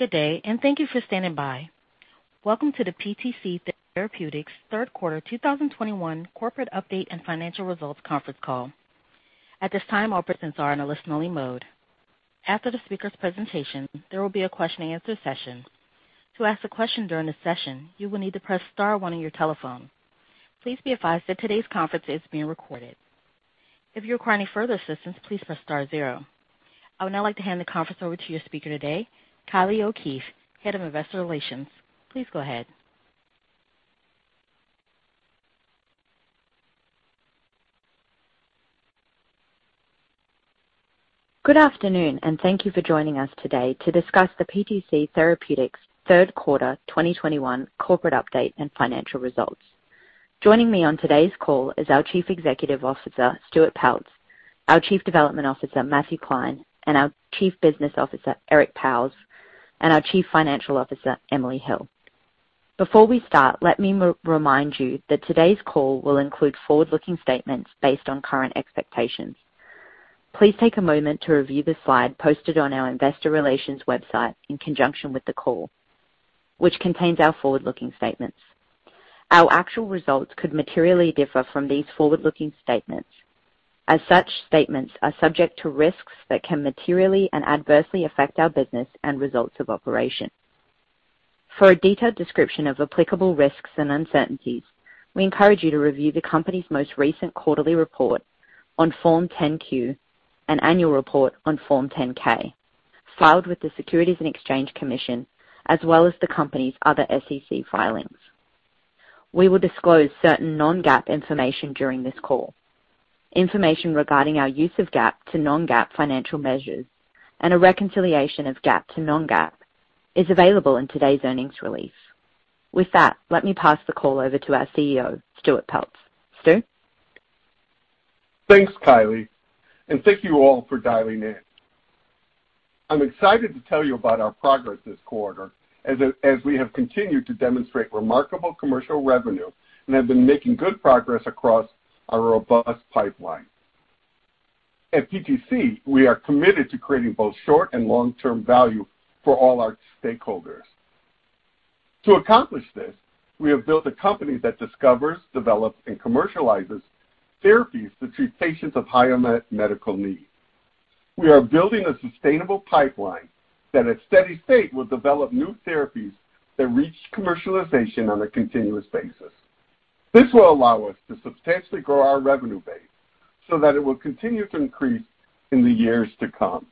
Good day, and thank you for standing by. Welcome to the PTC Therapeutics Q3 2021 corporate update and financial results conference call. At this time, all participants are in a listen-only mode. After the speaker's presentation, there will be a question-and-answer session. To ask a question during the session, you will need to press star one on your telephone. Please be advised that today's conference is being recorded. If you require any further assistance, please press star zero. I would now like to hand the conference over to your speaker today, Kylie O'Keefe, Head of Investor Relations. Please go ahead. Good afternoon, and thank you for joining us today to discuss the PTC Therapeutics Q3 2021 corporate update and financial results. Joining me on today's call is our Chief Executive Officer, Stuart Peltz, our Chief Development Officer, Matthew Klein, and our Chief Business Officer, Eric Pauwels, and our Chief Financial Officer, Emily Hill. Before we start, let me remind you that today's call will include forward-looking statements based on current expectations. Please take a moment to review the slide posted on our investor relations website in conjunction with the call, which contains our forward-looking statements. Our actual results could materially differ from these forward-looking statements, as such statements are subject to risks that can materially and adversely affect our business and results of operations. For a detailed description of applicable risks and uncertainties, we encourage you to review the company's most recent quarterly report on Form 10-Q and annual report on Form 10-K filed with the Securities and Exchange Commission as well as the company's other SEC filings. We will disclose certain non-GAAP information during this call. Information regarding our use of GAAP to non-GAAP financial measures and a reconciliation of GAAP to non-GAAP is available in today's earnings release. With that, let me pass the call over to our CEO, Stuart Peltz. Stu? Thanks, Kylie, and thank you all for dialing in. I'm excited to tell you about our progress this quarter as we have continued to demonstrate remarkable commercial revenue and have been making good progress across our robust pipeline. At PTC, we are committed to creating both short and long-term value for all our stakeholders. To accomplish this, we have built a company that discovers, develops, and commercializes therapies to treat patients of higher medical need. We are building a sustainable pipeline that at steady state will develop new therapies that reach commercialization on a continuous basis. This will allow us to substantially grow our revenue base so that it will continue to increase in the years to come.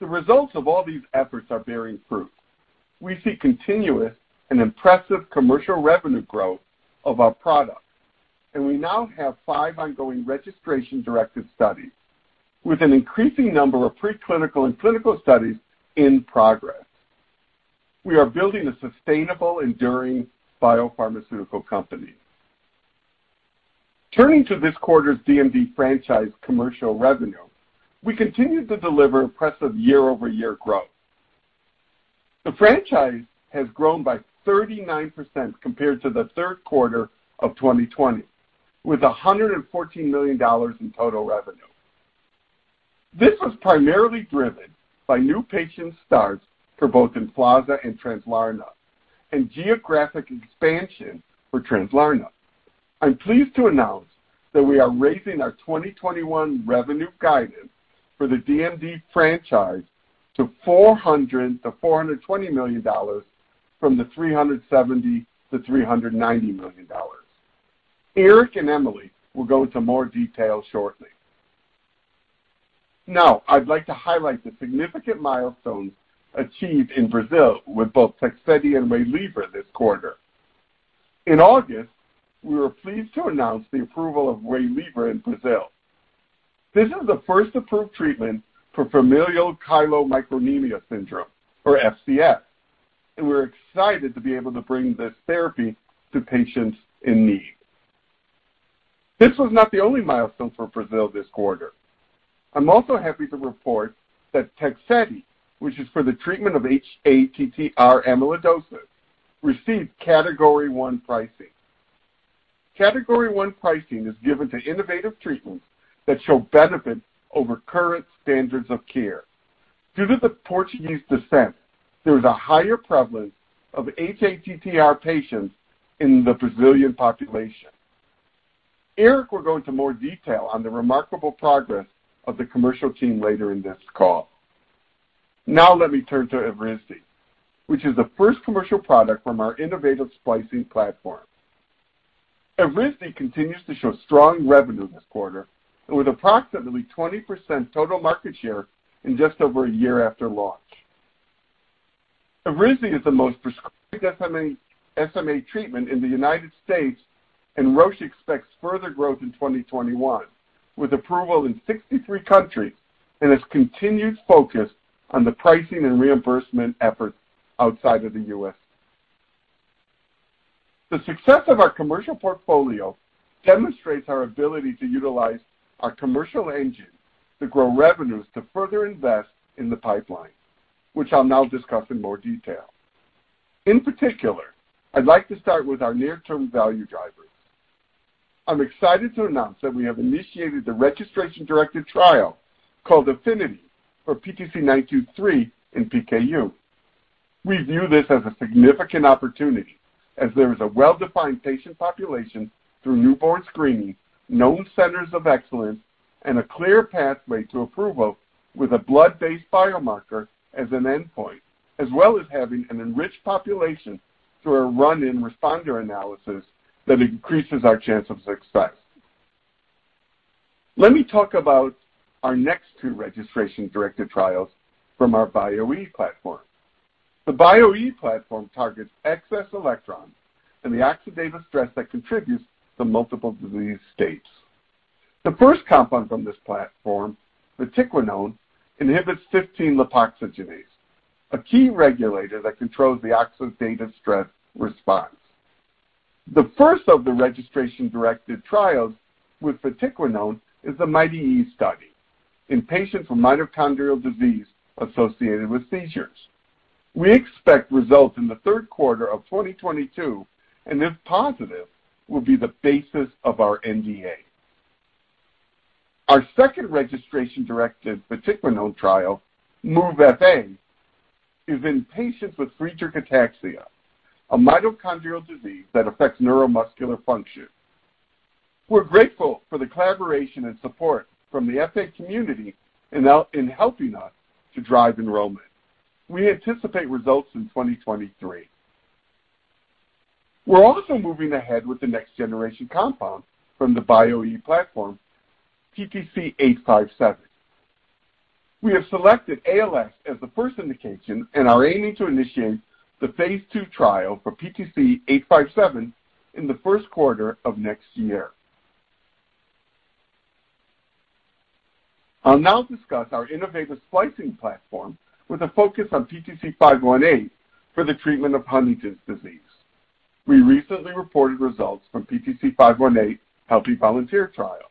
The results of all these efforts are bearing fruit. We see continuous and impressive commercial revenue growth of our products, and we now have 5 ongoing registration-directed studies with an increasing number of pre-clinical and clinical studies in progress. We are building a sustainable, enduring biopharmaceutical company. Turning to this quarter's DMD franchise commercial revenue, we continued to deliver impressive quarter-over-quarter growth. The franchise has grown by 39% compared to the Q3 of 2020, with $114 million in total revenue. This was primarily driven by new patient starts for both Emflaza and Translarna and geographic expansion for Translarna. I'm pleased to announce that we are raising our 2021 revenue guidance for the DMD franchise to $400 million-420 million from the $370 million-390 million. Eric and Emily will go into more detail shortly. Now, I'd like to highlight the significant milestones achieved in Brazil with both Tegsedi and Waylivra this quarter. In August, we were pleased to announce the approval of Waylivra in Brazil. This is the first approved treatment for familial chylomicronemia syndrome or FCS, and we're excited to be able to bring this therapy to patients in need. This was not the only milestone for Brazil this quarter. I'm also happy to report that Tegsedi, which is for the treatment of ATTR amyloidosis, received Category One pricing. Category One pricing is given to innovative treatments that show benefit over current standards of care. Due to the Portuguese descent, there is a higher prevalence of ATTR patients in the Brazilian population. Eric will go into more detail on the remarkable progress of the commercial team later in this call. Now let me turn to Evrysdi, which is the first commercial product from our innovative splicing platform. Evrysdi continues to show strong revenue this quarter and with approximately 20% total market share in just over a year after launch. Evrysdi is the most prescribed SMA treatment in the United States, and Roche expects further growth in 2021, with approval in 63 countries and its continued focus on the pricing and reimbursement efforts outside of the U.S. The success of our commercial portfolio demonstrates our ability to utilize our commercial engine to grow revenues to further invest in the pipeline, which I'll now discuss in more detail. In particular, I'd like to start with our near-term value drivers. I'm excited to announce that we have initiated the registration-directed trial called APHENITY for PTC-923 in PKU. We view this as a significant opportunity as there is a well-defined patient population through newborn screening, known centers of excellence, and a clear pathway to approval with a blood-based biomarker as an endpoint, as well as having an enriched population through a run-in responder analysis that increases our chance of success. Let me talk about our next two registration-directed trials from our Bio-E platform. The Bio-E platform targets excess electrons and the oxidative stress that contributes to multiple disease states. The first compound from this platform, vatiquinone, inhibits 15-lipoxygenase, a key regulator that controls the oxidative stress response. The first of the registration-directed trials with vatiquinone is the MIT-E study in patients with mitochondrial disease associated with seizures. We expect results in the Q3 of 2022, and if positive, will be the basis of our NDA. Our second registration-directed vatiquinone trial, MOVE-FA, is in patients with Friedreich's ataxia, a mitochondrial disease that affects neuromuscular function. We're grateful for the collaboration and support from the FA community in helping us to drive enrollment. We anticipate results in 2023. We're also moving ahead with the next generation compound from the Bio-e platform, PTC-857. We have selected ALS as the first indication and are aiming to initiate the phase II trial for PTC-857 in the Q1 of next year. I'll now discuss our innovative splicing platform with a focus on PTC-518 for the treatment of Huntington's disease. We recently reported results from PTC-518 healthy volunteer trial.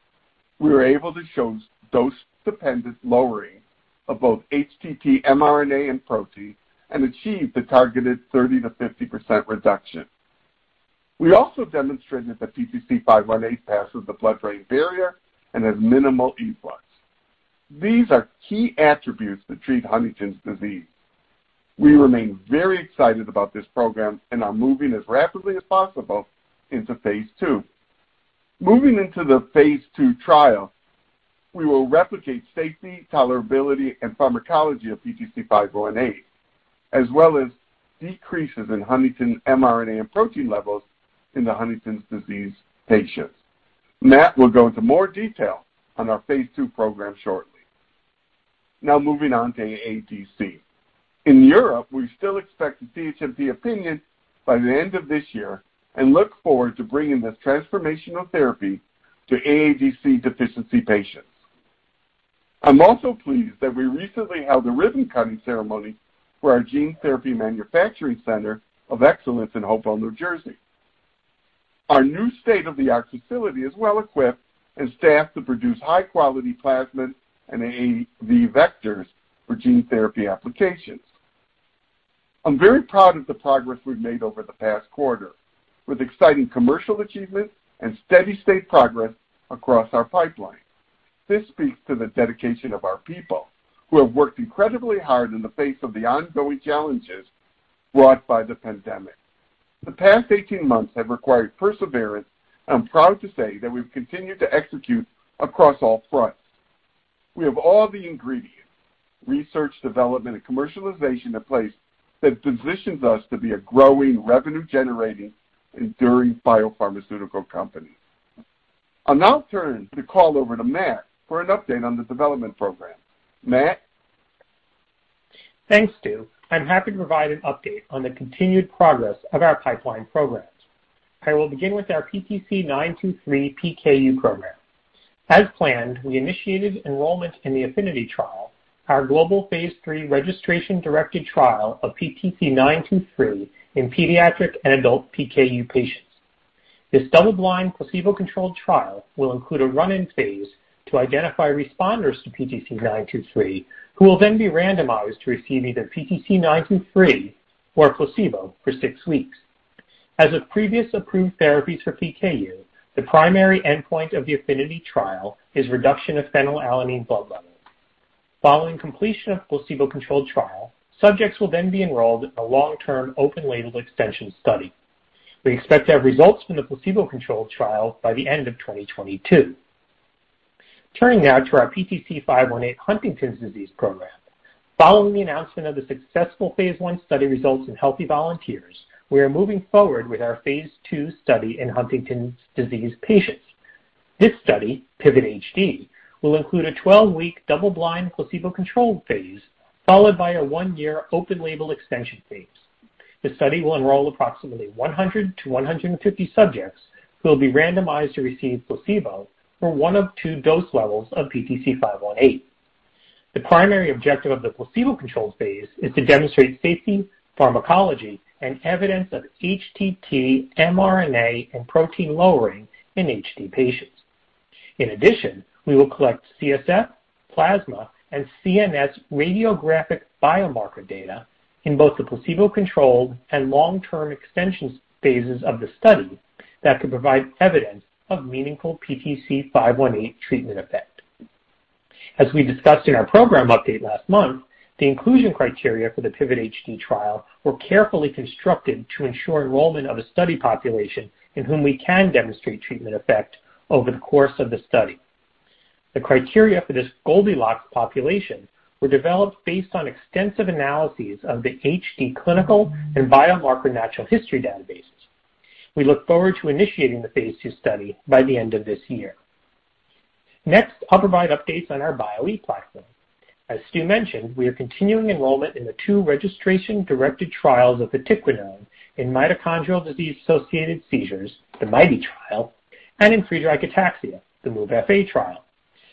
We were able to show dose-dependent lowering of both HTT mRNA and protein and achieved the targeted 30%-50% reduction. We also demonstrated that PTC-518 passes the blood-brain barrier and has minimal efflux. These are key attributes to treat Huntington's disease. We remain very excited about this program and are moving as rapidly as possible into phase II. Moving into the phase II trial, we will replicate safety, tolerability, and pharmacology of PTC-518, as well as decreases in Huntington mRNA and protein levels in the Huntington's disease patients. Matt will go into more detail on our phase II program shortly. Now moving on to AADC. In Europe, we still expect the CHMP opinion by the end of this year and look forward to bringing this transformational therapy to AADC deficiency patients. I'm also pleased that we recently held a ribbon-cutting ceremony for our gene therapy manufacturing center of excellence in Hopewell, New Jersey. Our new state-of-the-art facility is well equipped and staffed to produce high-quality plasmid and AAV vectors for gene therapy applications. I'm very proud of the progress we've made over the past quarter with exciting commercial achievements and steady state progress across our pipeline. This speaks to the dedication of our people who have worked incredibly hard in the face of the ongoing challenges brought by the pandemic. The past 18 months have required perseverance. I'm proud to say that we've continued to execute across all fronts. We have all the ingredients, research, development, and commercialization in place that positions us to be a growing, revenue-generating, enduring biopharmaceutical company. I'll now turn the call over to Matt for an update on the development program. Matt? Thanks, Stu. I'm happy to provide an update on the continued progress of our pipeline programs. I will begin with our PTC-923 PKU program. As planned, we initiated enrollment in the APHENITY trial, our global phase III registration-directed trial of PTC-923 in pediatric and adult PKU patients. This double-blind, placebo-controlled trial will include a run-in phase to identify responders to PTC-923, who will then be randomized to receive either PTC-923 or a placebo for six weeks. As with previous approved therapies for PKU, the primary endpoint of the APHENITY trial is reduction of phenylalanine blood levels. Following completion of placebo-controlled trial, subjects will then be enrolled in a long-term, open-label extension study. We expect to have results from the placebo-controlled trial by the end of 2022. Turning now to our PTC-518 Huntington's disease program. Following the announcement of the successful phase I study results in healthy volunteers, we are moving forward with our phase II study in Huntington's disease patients. This study, PIVOT-HD, will include a 12-week double-blind placebo-controlled phase, followed by a one-year open label extension phase. The study will enroll approximately 100-150 subjects who will be randomized to receive placebo or one of two dose levels of PTC-518. The primary objective of the placebo-controlled phase is to demonstrate safety, pharmacology, and evidence of HTT mRNA and protein lowering in HD patients. In addition, we will collect CSF, plasma, and CNS radiographic biomarker data in both the placebo-controlled and long-term extension phases of the study that could provide evidence of meaningful PTC-518 treatment effect. As we discussed in our program update last month, the inclusion criteria for the PIVOT-HD trial were carefully constructed to ensure enrollment of a study population in whom we can demonstrate treatment effect over the course of the study. The criteria for this Goldilocks population were developed based on extensive analyses of the HD clinical and biomarker natural history databases. We look forward to initiating the phase II study by the end of this year. Next, I'll provide updates on our Bio-e platform. As Stu mentioned, we are continuing enrollment in the two registration-directed trials of vatiquinone in mitochondrial disease-associated seizures, the MIT-E trial, and in Friedreich ataxia, the MOVE-FA trial.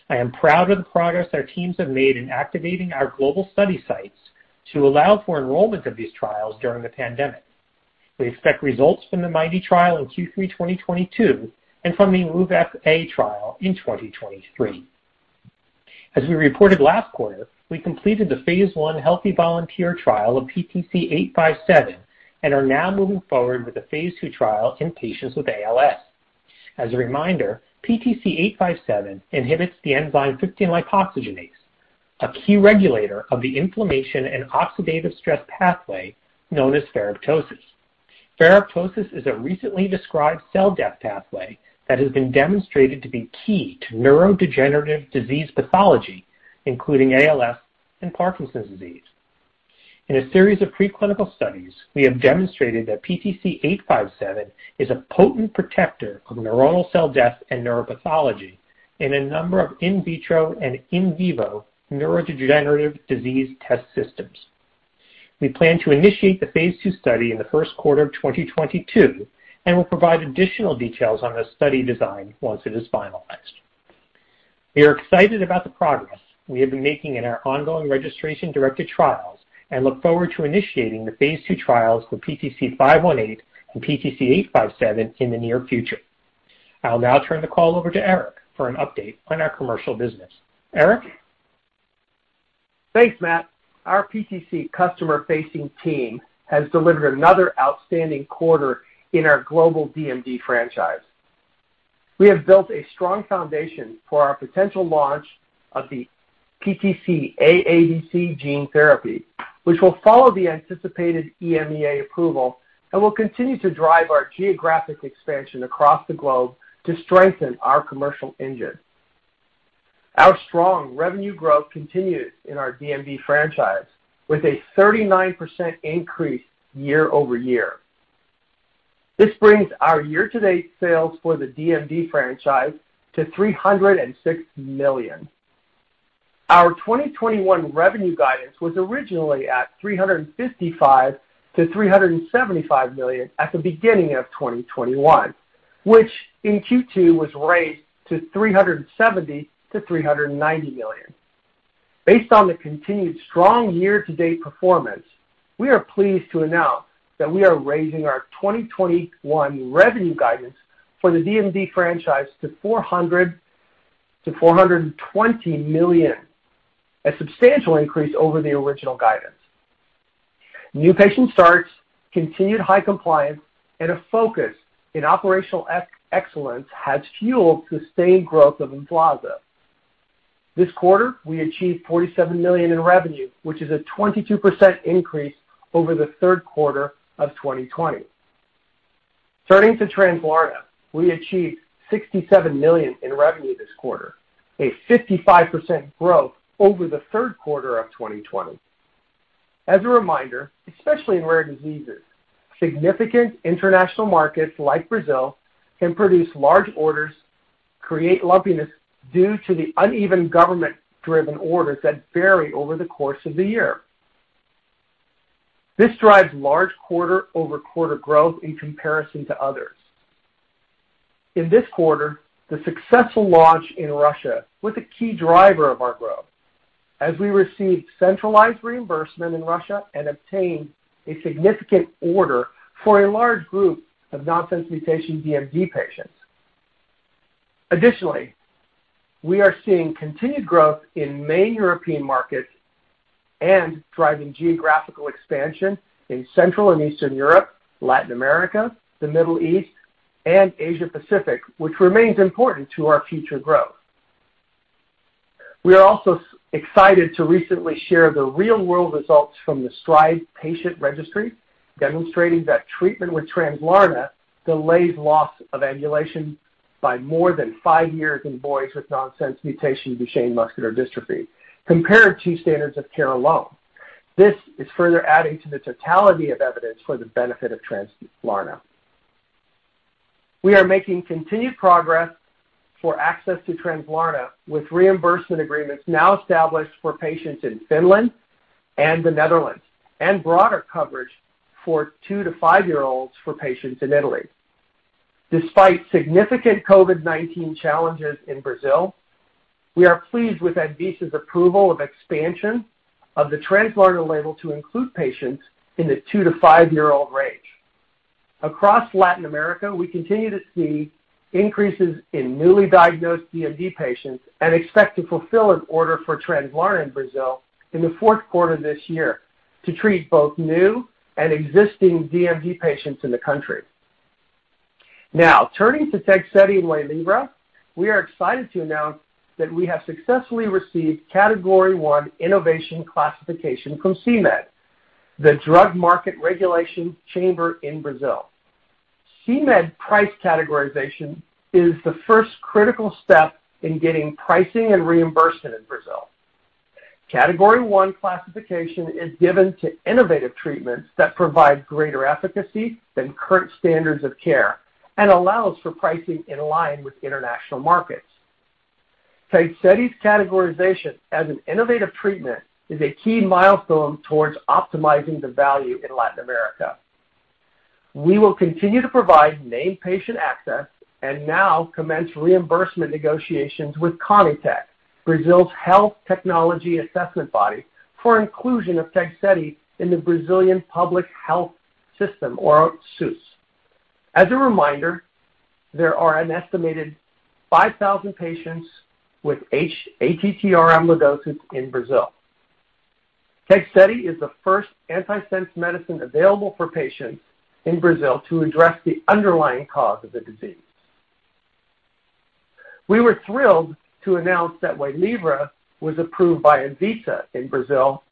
I am proud of the progress our teams have made in activating our global study sites to allow for enrollment of these trials during the pandemic. We expect results from the MIT-E trial in Q3 2022 and from the MOVE-FA trial in 2023. As we reported last quarter, we completed the phase I healthy volunteer trial of PTC-857 and are now moving forward with the phase II trial in patients with ALS. As a reminder, PTC-857 inhibits the enzyme 15-lipoxygenase, a key regulator of the inflammation and oxidative stress pathway known as ferroptosis. Ferroptosis is a recently described cell death pathway that has been demonstrated to be key to neurodegenerative disease pathology, including ALS and Parkinson's disease. In a series of preclinical studies, we have demonstrated that PTC-857 is a potent protector of neuronal cell death and neuropathology in a number of in vitro and in vivo neurodegenerative disease test systems. We plan to initiate the phase II study in the Q1 of 2022 and will provide additional details on the study design once it is finalized. We are excited about the progress we have been making in our ongoing registration-directed trials and look forward to initiating the phase II trials with PTC-518 and PTC-857 in the near future. I'll now turn the call over to Eric for an update on our commercial business. Eric? Thanks, Matt. Our PTC customer-facing team has delivered another outstanding quarter in our global DMD franchise. We have built a strong foundation for our potential launch of the PTC AADC gene therapy, which will follow the anticipated EMEA approval and will continue to drive our geographic expansion across the globe to strengthen our commercial engine. Our strong revenue growth continues in our DMD franchise with a 39% increase quarter-over-quarter. This brings our year-to-date sales for the DMD franchise to $306 million. Our 2021 revenue guidance was originally at $355 million-375 million at the beginning of 2021, which in Q2 was raised to $370 million-390 million. Based on the continued strong year-to-date performance, we are pleased to announce that we are raising our 2021 revenue guidance for the DMD franchise to $400 million-420 million, a substantial increase over the original guidance. New patient starts, continued high compliance, and a focus in operational excellence has fueled sustained growth of Emflaza. This quarter, we achieved $47 million in revenue, which is a 22% increase over the Q3 of 2020. Turning to Translarna, we achieved $67 million in revenue this quarter, a 55% growth over the Q3 of 2020. As a reminder, especially in rare diseases, significant international markets like Brazil can produce large orders, create lumpiness due to the uneven government-driven orders that vary over the course of the year. This drives large quarter-over-quarter growth in comparison to others. In this quarter, the successful launch in Russia was a key driver of our growth as we received centralized reimbursement in Russia and obtained a significant order for a large group of nonsense mutation DMD patients. Additionally, we are seeing continued growth in many European markets and driving geographical expansion in Central and Eastern Europe, Latin America, the Middle East, and Asia Pacific, which remains important to our future growth. We are also excited to recently share the real-world results from the STRIDE patient registry, demonstrating that treatment with Translarna delays loss of ambulation by more than five years in boys with nonsense mutation Duchenne muscular dystrophy compared to standards of care alone. This is further adding to the totality of evidence for the benefit of Translarna. We are making continued progress for access to Translarna with reimbursement agreements now established for patients in Finland and the Netherlands, and broader coverage for two- to five-year-olds for patients in Italy. Despite significant COVID-19 challenges in Brazil, we are pleased with Anvisa's approval of expansion of the Translarna label to include patients in the two- to five-year-old range. Across Latin America, we continue to see increases in newly diagnosed DMD patients and expect to fulfill an order for Translarna for Brazil in the Q4 of this year to treat both new and existing DMD patients in the country. Now turning to Tegsedi and Waylivra. We are excited to announce that we have successfully received category one innovation classification from CMED, the Drug Market Regulation Chamber in Brazil. CMED price categorization is the first critical step in getting pricing and reimbursement in Brazil. Category one classification is given to innovative treatments that provide greater efficacy than current standards of care and allows for pricing in line with international markets. Tegsedi's categorization as an innovative treatment is a key milestone towards optimizing the value in Latin America. We will continue to provide named patient access and now commence reimbursement negotiations with CONITEC, Brazil's health technology assessment body, for inclusion of Tegsedi in the Brazilian public health system, or SUS. As a reminder, there are an estimated 5,000 patients with hATTR amyloidosis in Brazil. Tegsedi is the first antisense medicine available for patients in Brazil to address the underlying cause of the disease. We were thrilled to announce that Waylivra was approved by Anvisa in Brazil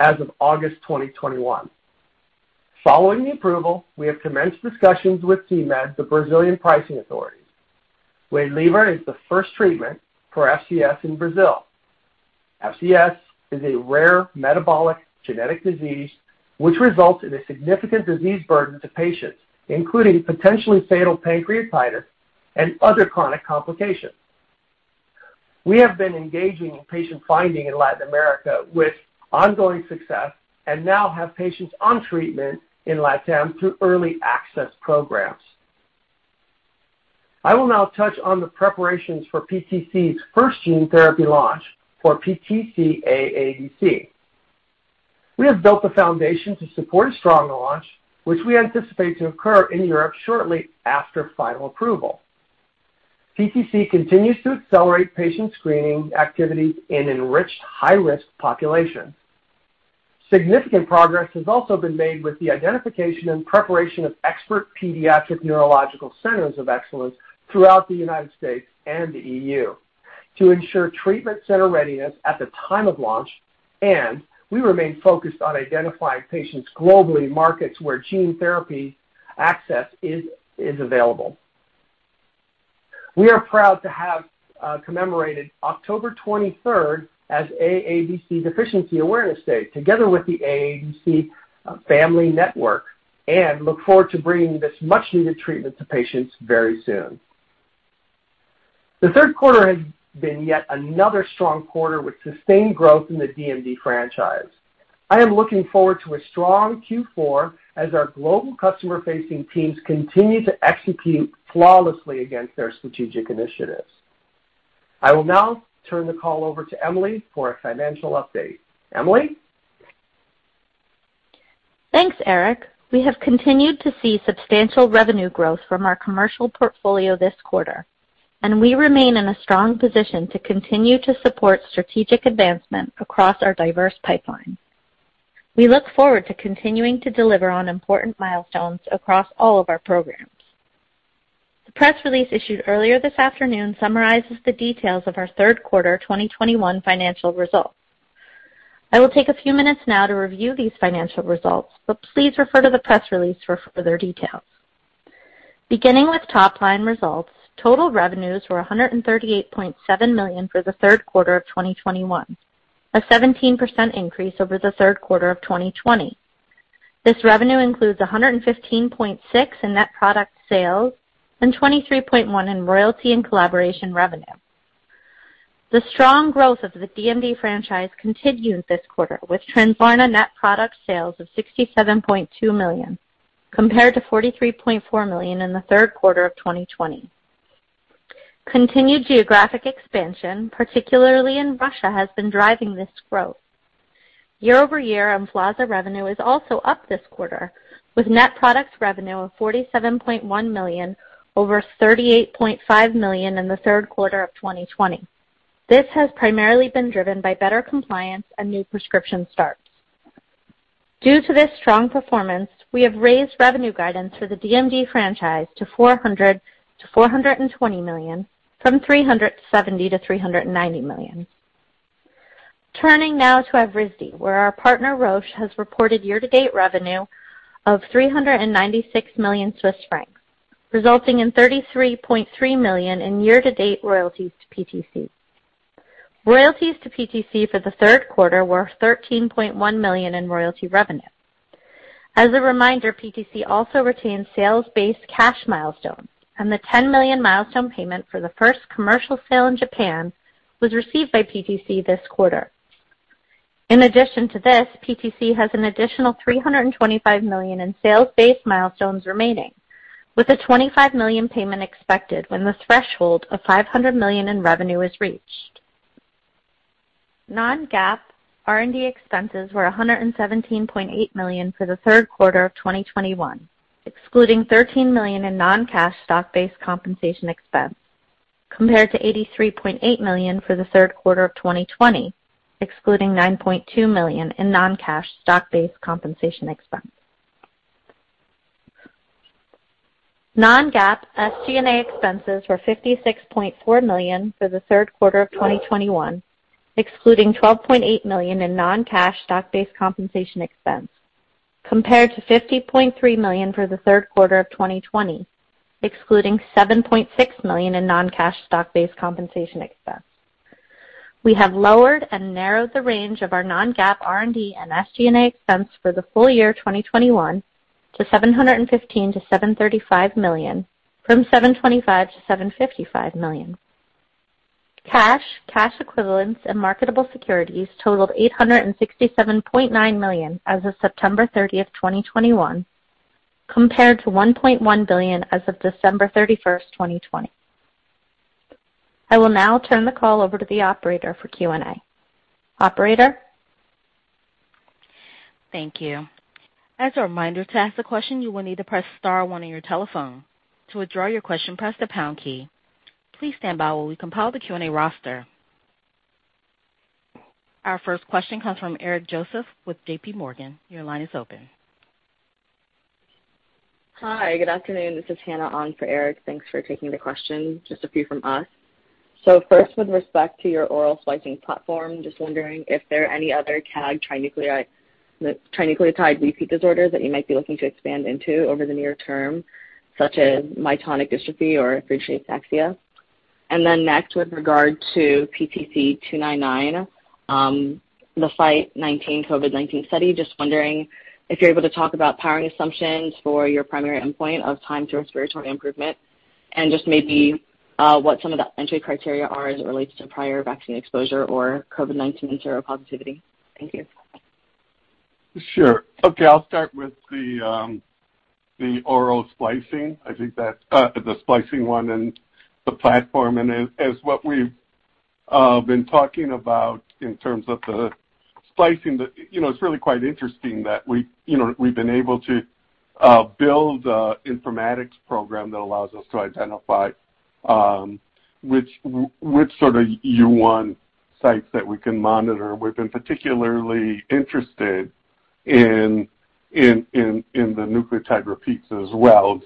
as of August 2021. Following the approval, we have commenced discussions with CMED, the Brazilian pricing authority. Waylivra is the first treatment for FCS in Brazil. FCS is a rare metabolic genetic disease which results in a significant disease burden to patients, including potentially fatal pancreatitis and other chronic complications. We have been engaging in patient finding in Latin America with ongoing success and now have patients on treatment in LatAm through early access programs. I will now touch on the preparations for PTC's first gene therapy launch for PTC AADC. We have built the foundation to support a strong launch, which we anticipate to occur in Europe shortly after final approval. PTC continues to accelerate patient screening activities in enriched high-risk populations. Significant progress has also been made with the identification and preparation of expert pediatric neurological centers of excellence throughout the United States and the E.U. to ensure treatment center readiness at the time of launch. We remain focused on identifying patients globally in markets where gene therapy access is available. We are proud to have commemorated October twenty-third as AADC Deficiency Awareness Day together with the AADC Family Network and look forward to bringing this much-needed treatment to patients very soon. The Q3 has been yet another strong quarter with sustained growth in the DMD franchise. I am looking forward to a strong Q4 as our global customer-facing teams continue to execute flawlessly against their strategic initiatives. I will now turn the call over to Emily for a financial update. Emily? Thanks, Eric. We have continued to see substantial revenue growth from our commercial portfolio this quarter, and we remain in a strong position to continue to support strategic advancement across our diverse pipeline. We look forward to continuing to deliver on important milestones across all of our programs. The press release issued earlier this afternoon summarizes the details of our Q3 2021 financial results. I will take a few minutes now to review these financial results, but please refer to the press release for further details. Beginning with top-line results, total revenues were $138.7 million for the Q3 of 2021, a 17% increase over the Q3 of 2020. This revenue includes $115.6 million in net product sales and $23.1 million in royalty and collaboration revenue. The strong growth of the DMD franchise continued this quarter, with Translarna net product sales of $67.2 million, compared to $43.4 million in the Q3 of 2020. Continued geographic expansion, particularly in Russia, has been driving this growth. quarter-over-quarter, Emflaza revenue is also up this quarter with net product revenue of $47.1 million over $38.5 million in the Q3 of 2020. This has primarily been driven by better compliance and new prescription starts. Due to this strong performance, we have raised revenue guidance for the DMD franchise to $400 million-420 million from $370 million-390 million. Turning now to Evrysdi, where our partner Roche has reported year-to-date revenue of 396 million Swiss francs, resulting in $33.3 million in year-to-date royalties to PTC. Royalties to PTC for the Q3 were $13.1 million in royalty revenue. As a reminder, PTC also retains sales-based cash milestones, and the $10 million milestone payment for the first commercial sale in Japan was received by PTC this quarter. In addition to this, PTC has an additional $325 million in sales-based milestones remaining, with a $25 million payment expected when the threshold of $500 million in revenue is reached. Non-GAAP R&D expenses were $117.8 million for the Q3 of 2021, excluding $13 million in non-cash stock-based compensation expense, compared to $83.8 million for the Q3 of 2020, excluding $9.2 million in non-cash stock-based compensation expense. Non-GAAP SG&A expenses were $56.4 million for the Q3 of 2021, excluding $12.8 million in non-cash stock-based compensation expense, compared to $50.3 million for the Q3 of 2020, excluding $7.6 million in non-cash stock-based compensation expense. We have lowered and narrowed the range of our non-GAAP R&D and SG&A expense for the full year 2021 to $715 million-735 million from $725 million-755 million. Cash, cash equivalents, and marketable securities totaled $867.9 million as of September 30, 2021, compared to $1.1 billion as of December 31, 2020. I will now turn the call over to the operator for Q&A. Operator? Thank you. As a reminder, to ask a question, you will need to press star one on your telephone. To withdraw your question, press the pound key. Please stand by while we compile the Q&A roster. Our first question comes from Eric Joseph with J.P. Morgan. Your line is open. Hi, good afternoon. This is Hannah on for Eric. Thanks for taking the question. Just a few from us. First, with respect to your oral splicing platform, just wondering if there are any other CAG trinucleotide repeat disorders that you might be looking to expand into over the near-term, such as myotonic dystrophy or spinocerebellar ataxia. Next, with regard to PTC-299, the FITE19 COVID-19 study. Just wondering if you're able to talk about powering assumptions for your primary endpoint of time to respiratory improvement and just maybe what some of the entry criteria are as it relates to prior vaccine exposure or COVID-19 seropositivity. Thank you. Sure. Okay. I'll start with our splicing. I think that's the splicing one and the platform. As what we've been talking about in terms of the splicing. You know, it's really quite interesting that we, you know, we've been able to build an informatics program that allows us to identify which sort of U1 sites that we can monitor. We've been particularly interested in the nucleotide repeats as well.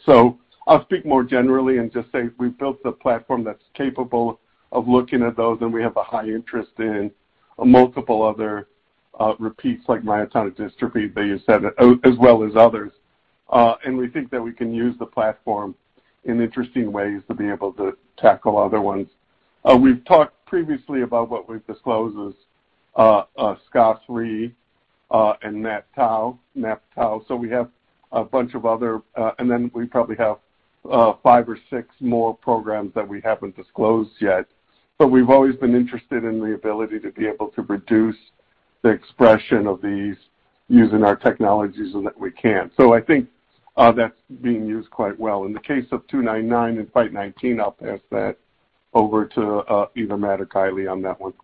I'll speak more generally and just say we've built a platform that's capable of looking at those, and we have a high interest in multiple other repeats, like myotonic dystrophy that you said, as well as others. We think that we can use the platform in interesting ways to be able to tackle other ones. We've talked previously about what we've disclosed as SCO3 and MAPT. We have a bunch of other, and then we probably have five or six more programs that we haven't disclosed yet. We've always been interested in the ability to be able to reduce the expression of these using our technologies so that we can. I think that's being used quite well. In the case of PTC-299 and FITE19, I'll pass that over to either Matt or Kylie on that one.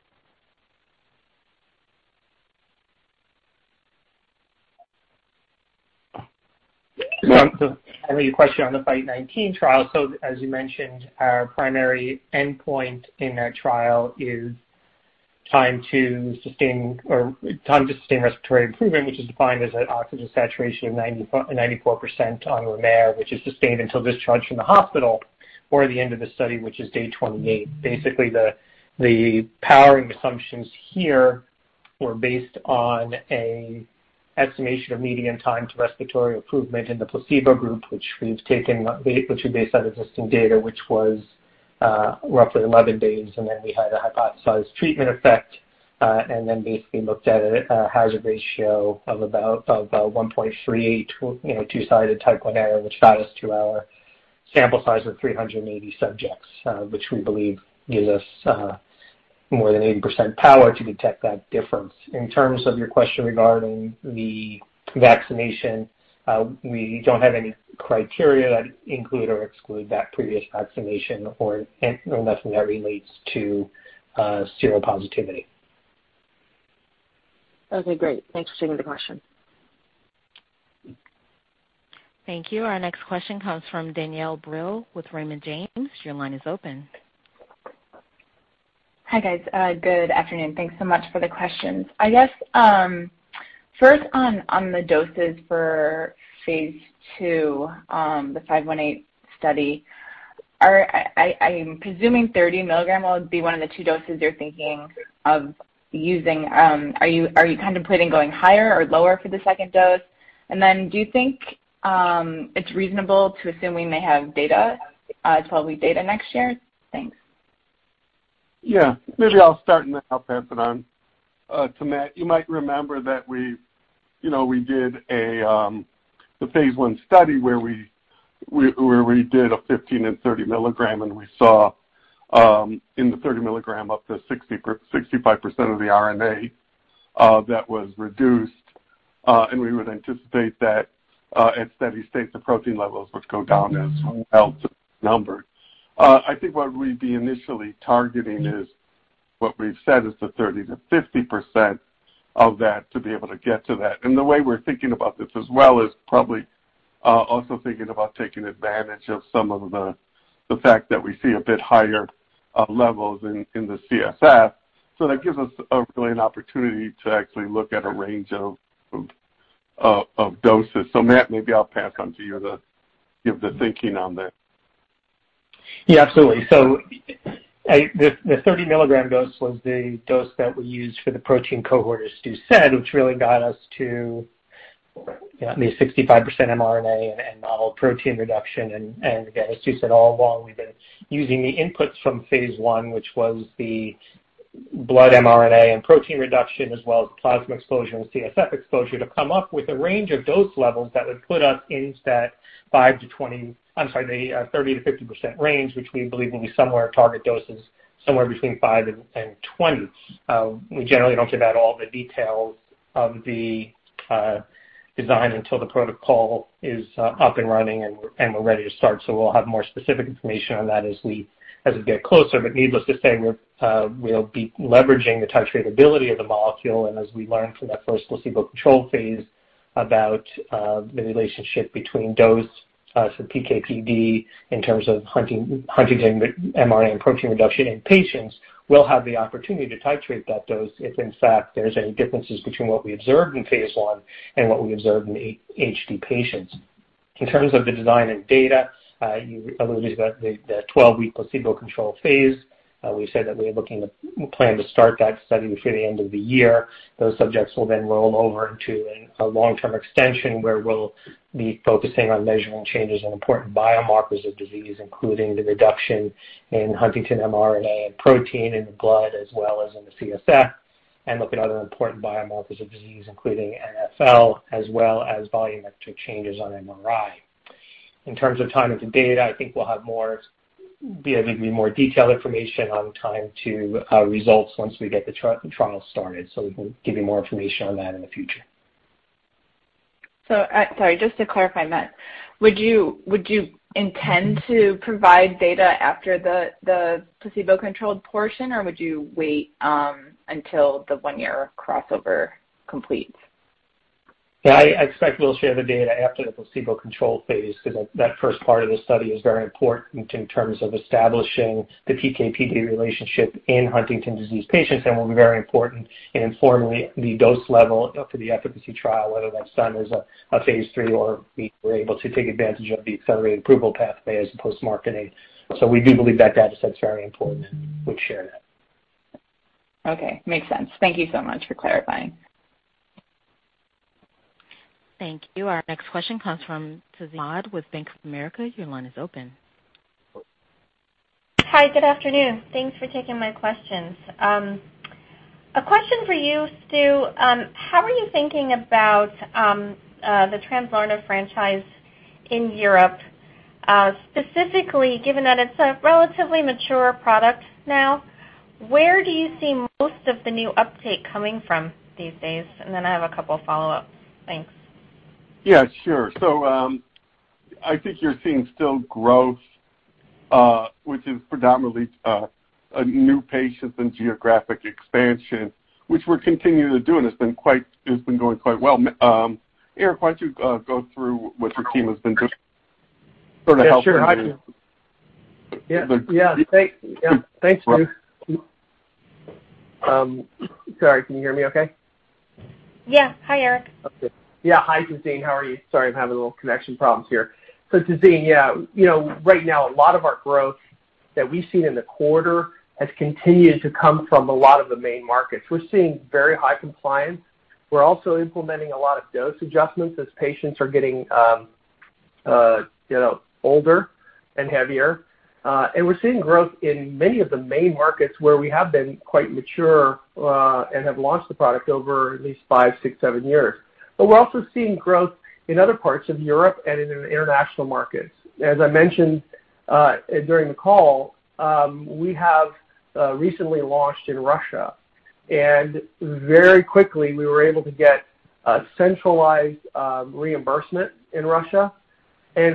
I think a question on the FITE19 trial. As you mentioned, our primary endpoint in that trial is time to sustained or time to sustained respiratory improvement, which is defined as an oxygen saturation of 94% on room air, which is sustained until discharge from the hospital or the end of the study, which is day 28. Basically, the powering assumptions here were based on an estimation of median time to respiratory improvement in the placebo group, which we've taken, which we based on existing data, which was roughly 11 days. We had a hypothesized treatment effect, and then basically looked at a hazard ratio of about 1.32, you know, two-sided type one error, which got us to our sample size of 380 subjects, which we believe gives us more than 80% power to detect that difference. In terms of your question regarding the vaccination, we don't have any criteria that include or exclude that previous vaccination or, and nothing that relates to seropositivity. Okay, great. Thanks for taking the question. Thank you. Our next question comes from Danielle Brill with Raymond James. Your line is open. Hi, guys. Good afternoon. Thanks so much for the questions. I guess first on the doses for phase II, the PTC-518 study. I'm presuming 30 mg will be one of the two doses you're thinking of using. Are you contemplating going higher or lower for the second dose? Then do you think it's reasonable to assume we may have data, 12-week data next year? Thanks. Maybe I'll start, and then I'll pass it on to Matt. You might remember that we did the phase I study where we did 15- and 30-mg, and we saw in the 30-mg up to 65% of the RNA that was reduced. We would anticipate that at steady state, the protein levels would go down as well to a number. I think what we'd be initially targeting is what we've said is the 30%-50% of that to be able to get to that. The way we're thinking about this as well is probably also thinking about taking advantage of some of the fact that we see a bit higher levels in the CSF. That gives us really an opportunity to actually look at a range of doses. Matt, maybe I'll pass on to you, give the thinking on that. Yeah, absolutely. The 30-milligram dose was the dose that we used for the protein cohort, as Stu said, which really got us to at least 65% mRNA and NFL protein reduction. Again, as Stu said all along, we've been using the inputs from phase I, which was the blood mRNA and protein reduction as well as plasma exposure and CSF exposure, to come up with a range of dose levels that would put us into that 30%-50% range, which we believe will be somewhere target doses, somewhere between 5 and 20. We generally don't give out all the details of the design until the protocol is up and running and we're ready to start. We'll have more specific information on that as we get closer. Needless to say, we'll be leveraging the titratability of the molecule. As we learned from that first placebo control phase about the relationship between dose, so PK/PD in terms of HTT mRNA and protein reduction in patients, we'll have the opportunity to titrate that dose if in fact there's any differences between what we observed in phase I and what we observed in HD patients. In terms of the design and data, you alluded to the 12-week placebo control phase. We said that we plan to start that study before the end of the year. Those subjects will then roll over into a long-term extension where we'll be focusing on measuring changes in important biomarkers of disease, including the reduction in huntingtin mRNA and protein in the blood as well as in the CSF, and look at other important biomarkers of disease, including NFL, as well as volumetric changes on MRI. In terms of time of the data, I think we'll be able to give you more detailed information on time to results once we get the trial started. We will give you more information on that in the future. Sorry, just to clarify, Matt, would you intend to provide data after the placebo-controlled portion, or would you wait until the one-year crossover completes? Yeah. I expect we'll share the data after the placebo-controlled phase 'cause that first part of the study is very important in terms of establishing the PK/PD relationship in Huntington's disease patients and will be very important in informing the dose level for the efficacy trial, whether that's done as a phase III or we're able to take advantage of the accelerated approval pathway as post-marketing. We do believe that data set's very important. We'll share that. Okay. Makes sense. Thank you so much for clarifying. Thank you. Our next question comes from Tazeen Ahmad with Bank of America. Your line is open. Hi, good afternoon. Thanks for taking my questions. A question for you, Stu. How are you thinking about the Translarna franchise in Europe, specifically given that it's a relatively mature product now? Where do you see most of the new uptake coming from these days? I have a couple follow-ups. Thanks. Yeah, sure. I think you're seeing still growth, which is predominantly a new patients and geographic expansion, which we're continuing to do, and it's been going quite well. Eric, why don't you go through what your team has been doing sort of help- Yeah, sure. I can. The- Yeah. Thanks, Stu. Sorry, can you hear me okay? Yeah. Hi, Eric. Okay. Yeah. Hi, Tazeen. How are you? Sorry, I'm having a little connection problems here. Tazeen, yeah, you know, right now, a lot of our growth that we've seen in the quarter has continued to come from a lot of the main markets. We're seeing very high compliance. We're also implementing a lot of dose adjustments as patients are getting, you know, older and heavier. We're seeing growth in many of the main markets where we have been quite mature, and have launched the product over at least five, six, seven years. But we're also seeing growth in other parts of Europe and in international markets. As I mentioned, during the call, we have recently launched in Russia, and very quickly we were able to get a centralized reimbursement in Russia.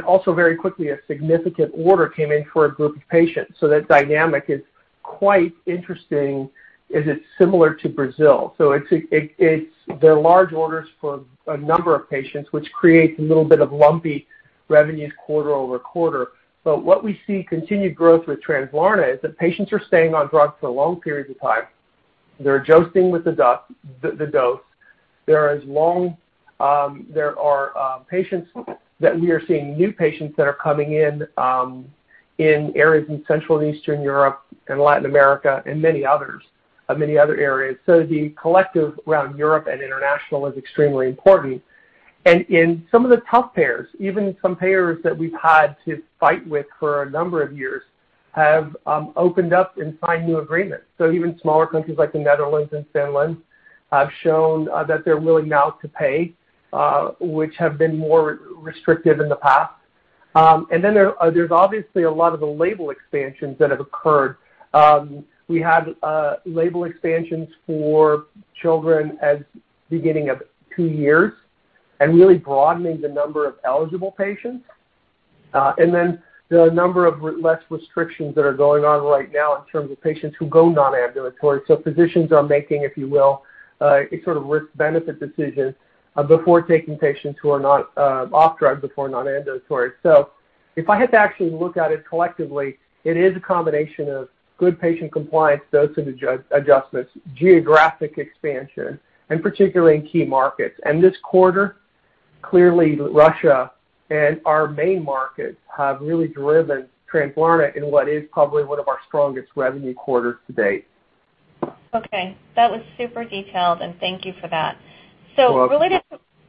Also very quickly, a significant order came in for a group of patients. That dynamic is quite interesting as it's similar to Brazil. They're large orders for a number of patients, which creates a little bit of lumpy revenues quarter-over-quarter. What we see continued growth with Translarna is that patients are staying on drugs for long periods of time. They're adjusting with the dose. There are patients that we are seeing new patients that are coming in in areas in Central and Eastern Europe and Latin America and many other areas. The collective around Europe and international is extremely important. In some of the tough payers, even some payers that we've had to fight with for a number of years have opened up and signed new agreements. Even smaller countries like the Netherlands and Finland have shown that they're willing now to pay, which have been more restrictive in the past. There's obviously a lot of label expansions that have occurred. We had label expansions for children as young as two years and really broadening the number of eligible patients and the number of less restrictions that are going on right now in terms of patients who go non-ambulatory. Physicians are making, if you will, a sort of risk-benefit decision before taking patients off drug before non-ambulatory. If I had to actually look at it collectively, it is a combination of good patient compliance, dose adjustments, geographic expansion, and particularly in key markets. This quarter, clearly Russia and our main markets have really driven Translarna in what is probably one of our strongest revenue quarters to date. Okay. That was super detailed, and thank you for that. You're welcome.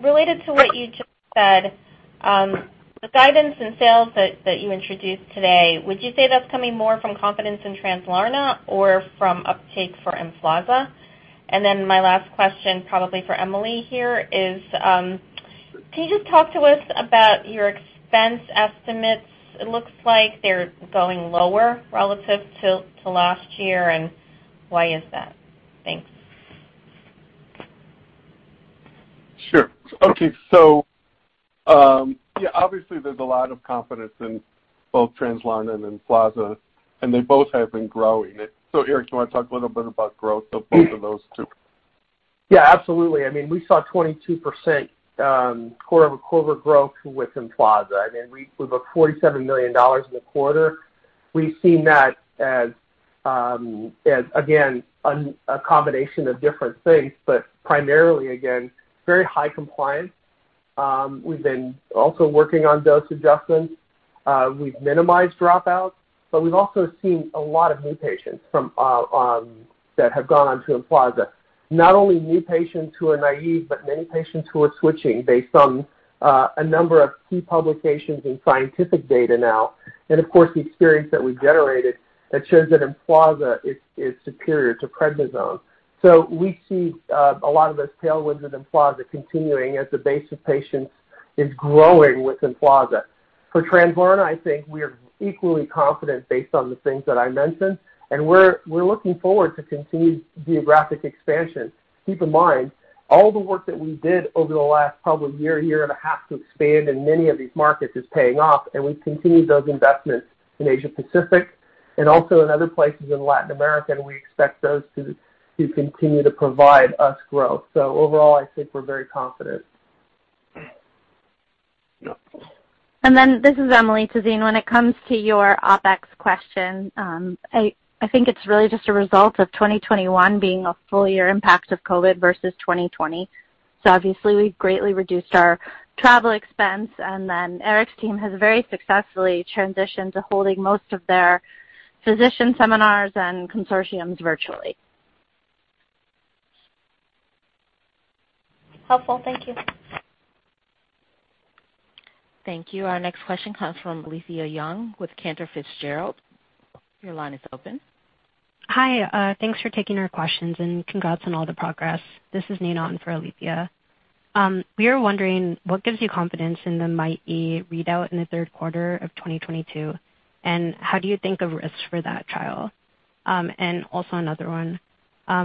Related to what you just said, the guidance and sales that you introduced today, would you say that's coming more from confidence in Translarna or from uptake for Emflaza? My last question, probably for Emily here, is can you just talk to us about your expense estimates? It looks like they're going lower relative to last year, and why is that? Thanks. Sure. Okay. Yeah, obviously there's a lot of confidence in both Translarna and Emflaza, and they both have been growing. Eric, do you want to talk a little bit about growth of both of those two? Yeah, absolutely. I mean, we saw 22% quarter-over-quarter growth with Emflaza. I mean, we booked $47 million in the quarter. We've seen that as again a combination of different things, but primarily again very high compliance. We've been also working on dose adjustments. We've minimized dropouts, but we've also seen a lot of new patients from that have gone on to Emflaza. Not only new patients who are naive, but many patients who are switching based on a number of key publications in scientific data now. Of course, the experience that we generated that shows that Emflaza is superior to prednisone. We see a lot of those tailwinds in Emflaza continuing as the base of patients is growing with Emflaza. For Translarna, I think we are equally confident based on the things that I mentioned, and we're looking forward to continued geographic expansion. Keep in mind, all the work that we did over the last probably year and a half to expand in many of these markets is paying off, and we've continued those investments in Asia Pacific and also in other places in Latin America, and we expect those to continue to provide us growth. Overall, I think we're very confident. Yeah. This is Emily Hill. When it comes to your OpEx question, I think it's really just a result of 2021 being a full year impact of COVID versus 2020. Obviously, we've greatly reduced our travel expense and then Eric's team has very successfully transitioned to holding most of their physician seminars and consortiums virtually. Helpful. Thank you. Thank you. Our next question comes from Alethia Young with Cantor Fitzgerald. Your line is open. Hi. Thanks for taking our questions, and congrats on all the progress. This is Nina on for Alethia. We are wondering what gives you confidence in the MIT-E readout in the Q3 of 2022, and how do you think of risks for that trial?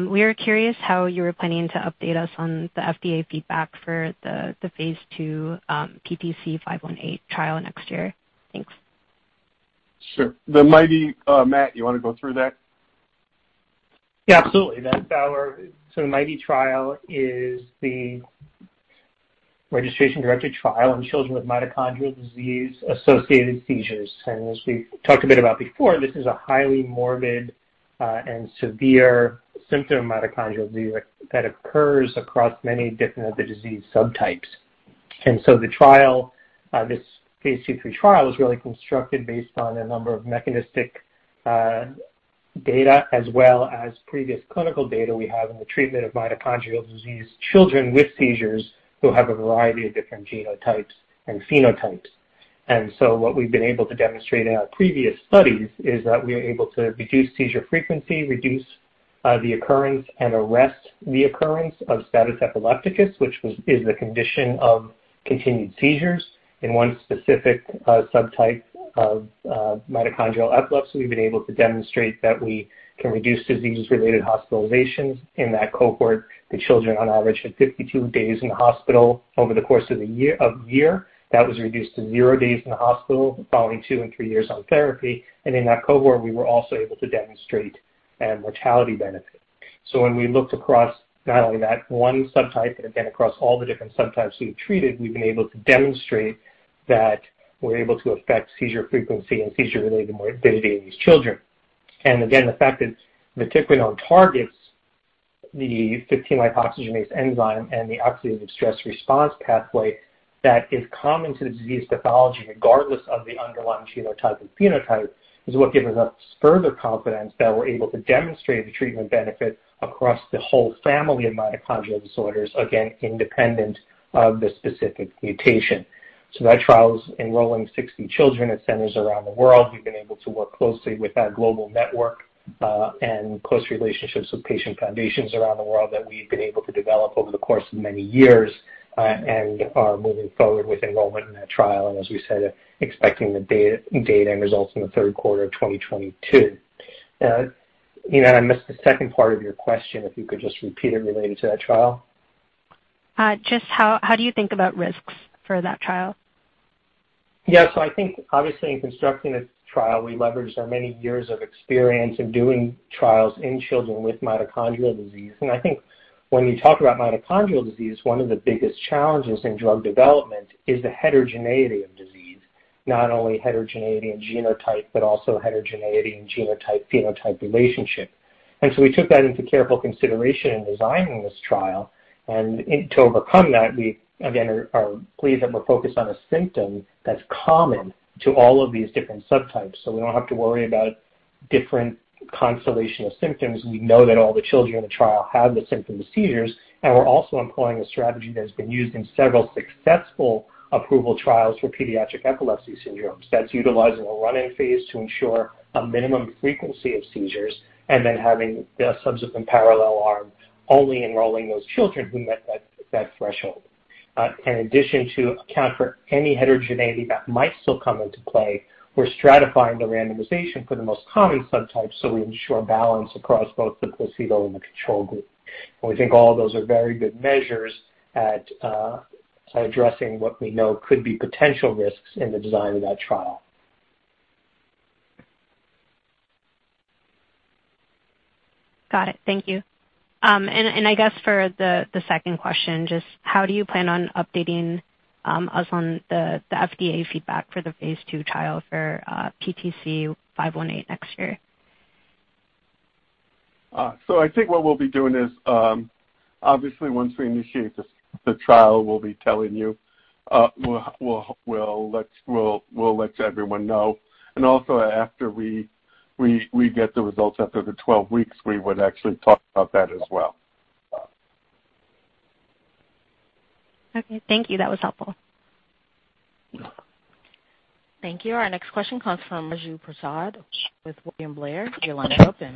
We are curious how you are planning to update us on the FDA feedback for the phase II PTC-518 trial next year. Thanks. Sure. The might be Matt, you wanna go through that? Yeah, absolutely. That's the MIT-E trial is the registration-directed trial in children with mitochondrial disease-associated seizures. As we've talked a bit about before, this is a highly morbid and severe symptom of mitochondrial disease that occurs across many different of the disease subtypes. The trial, this phase II/III trial is really constructed based on a number of mechanistic data as well as previous clinical data we have in the treatment of mitochondrial disease in children with seizures who have a variety of different genotypes and phenotypes. What we've been able to demonstrate in our previous studies is that we are able to reduce seizure frequency, reduce the occurrence and arrest reoccurrence of status epilepticus, which is a condition of continued seizures. In one specific subtype of mitochondrial epilepsy, we've been able to demonstrate that we can reduce disease-related hospitalizations. In that cohort, the children on average had 52 days in the hospital over the course of the year. That was reduced to zero days in the hospital following two and three years on therapy. In that cohort, we were also able to demonstrate a mortality benefit. When we looked across not only that one subtype, but again across all the different subtypes we've treated, we've been able to demonstrate that we're able to affect seizure frequency and seizure-related morbidity in these children. Again, the fact that vatiquinone targets the 15-lipoxygenase enzyme and the oxidative stress response pathway that is common to the disease pathology, regardless of the underlying genotype and phenotype, is what gives us further confidence that we're able to demonstrate the treatment benefit across the whole family of mitochondrial disorders, again, independent of the specific mutation. That trial's enrolling 60 children at centers around the world. We've been able to work closely with our global network. Close relationships with patient foundations around the world that we've been able to develop over the course of many years, and are moving forward with enrollment in that trial, and as we said, expecting the data and results in the Q3 of 2022. Nina, I missed the second part of your question, if you could just repeat it related to that trial. Just how do you think about risks for that trial? Yeah. I think obviously in constructing this trial, we leveraged our many years of experience in doing trials in children with mitochondrial disease. I think when you talk about mitochondrial disease, one of the biggest challenges in drug development is the heterogeneity of disease, not only heterogeneity in genotype, but also heterogeneity in genotype-phenotype relationship. we took that into careful consideration in designing this trial. in to overcome that, we again are pleased that we're focused on a symptom that's common to all of these different subtypes. we don't have to worry about different constellation of symptoms. We know that all the children in the trial have the symptom of seizures, and we're also employing a strategy that has been used in several successful approval trials for pediatric epilepsy syndromes. That's utilizing a run-in phase to ensure a minimum frequency of seizures, and then having the subsequent parallel arm only enrolling those children who met that threshold. In addition to account for any heterogeneity that might still come into play, we're stratifying the randomization for the most common subtypes, so we ensure balance across both the placebo and the control group. We think all those are very good measures at addressing what we know could be potential risks in the design of that trial. Got it. Thank you. I guess for the second question, just how do you plan on updating us on the FDA feedback for the phase II trial for PTC-518 next year? I think what we'll be doing is, obviously once we initiate this, the trial, we'll be telling you, we'll let everyone know. Also after we get the results after the 12 weeks, we would actually talk about that as well. Okay. Thank you. That was helpful. Thank you. Our next question comes from Raju Prasad with William Blair. Your line is open.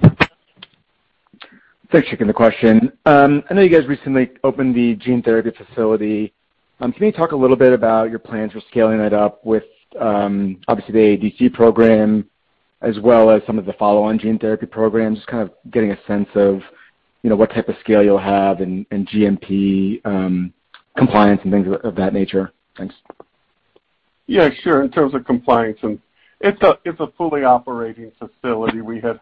Thanks for taking the question. I know you guys recently opened the gene therapy facility. Can you talk a little bit about your plans for scaling it up with, obviously the AADC program as well as some of the follow-on gene therapy programs? Just kind of getting a sense of, you know, what type of scale you'll have and GMP compliance and things of that nature. Thanks. Yeah, sure. In terms of compliance. It's a fully operating facility. We have,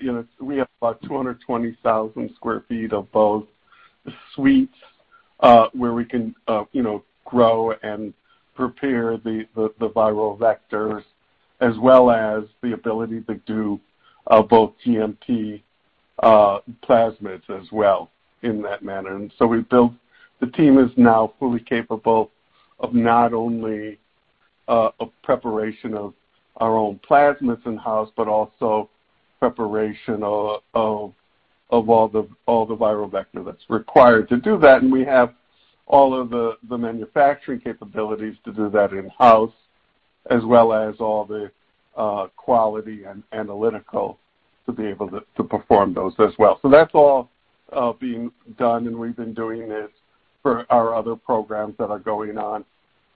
you know, about 220,000 sq ft of both suites where we can, you know, grow and prepare the viral vectors, as well as the ability to do both GMP plasmids as well in that manner. The team is now fully capable of not only preparation of our own plasmids in-house, but also preparation of all the viral vector that's required to do that. We have all of the manufacturing capabilities to do that in-house as well as all the quality and analytical to be able to perform those as well. That's all being done, and we've been doing this for our other programs that are going on,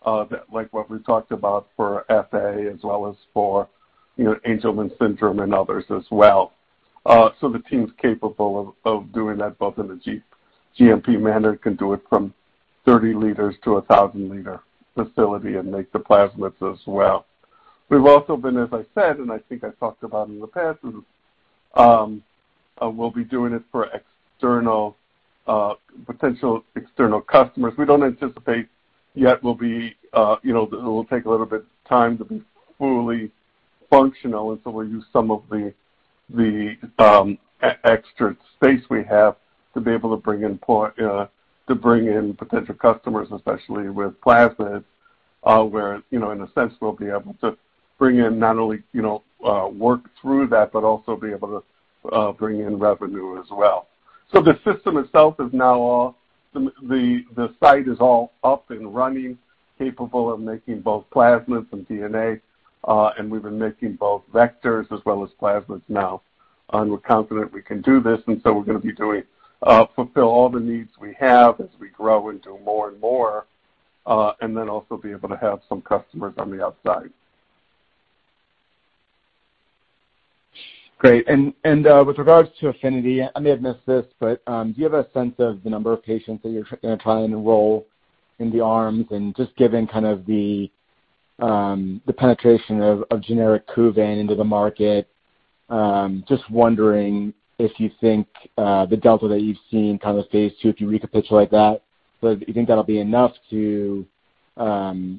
that like what we talked about for FA as well as for, you know, Angelman syndrome and others as well. The team's capable of doing that both in a GMP manner, can do it from 30 liters to a 1,000-liter facility and make the plasmids as well. We've also been, as I said, and I think I've talked about in the past, and we'll be doing it for external potential external customers. We don't anticipate yet we'll be, you know, it will take a little bit time to be fully functional, and so we'll use some of the extra space we have to be able to bring in potential customers, especially with plasmids, where, you know, in a sense, we'll be able to bring in not only, you know, work through that, but also be able to bring in revenue as well. The system itself is now, the site is all up and running, capable of making both plasmids and DNA, and we've been making both vectors as well as plasmids now, and we're confident we can do this. We're gonna fulfill all the needs we have as we grow and do more and more, and then also be able to have some customers on the outside. Great. With regards to APHENITY, I may have missed this, but do you have a sense of the number of patients that you're gonna try and enroll in the arms? Just given kind of the penetration of generic Kuvan into the market, just wondering if you think the delta that you've seen kind of phase II, if you recapitulate that, do you think that'll be enough to you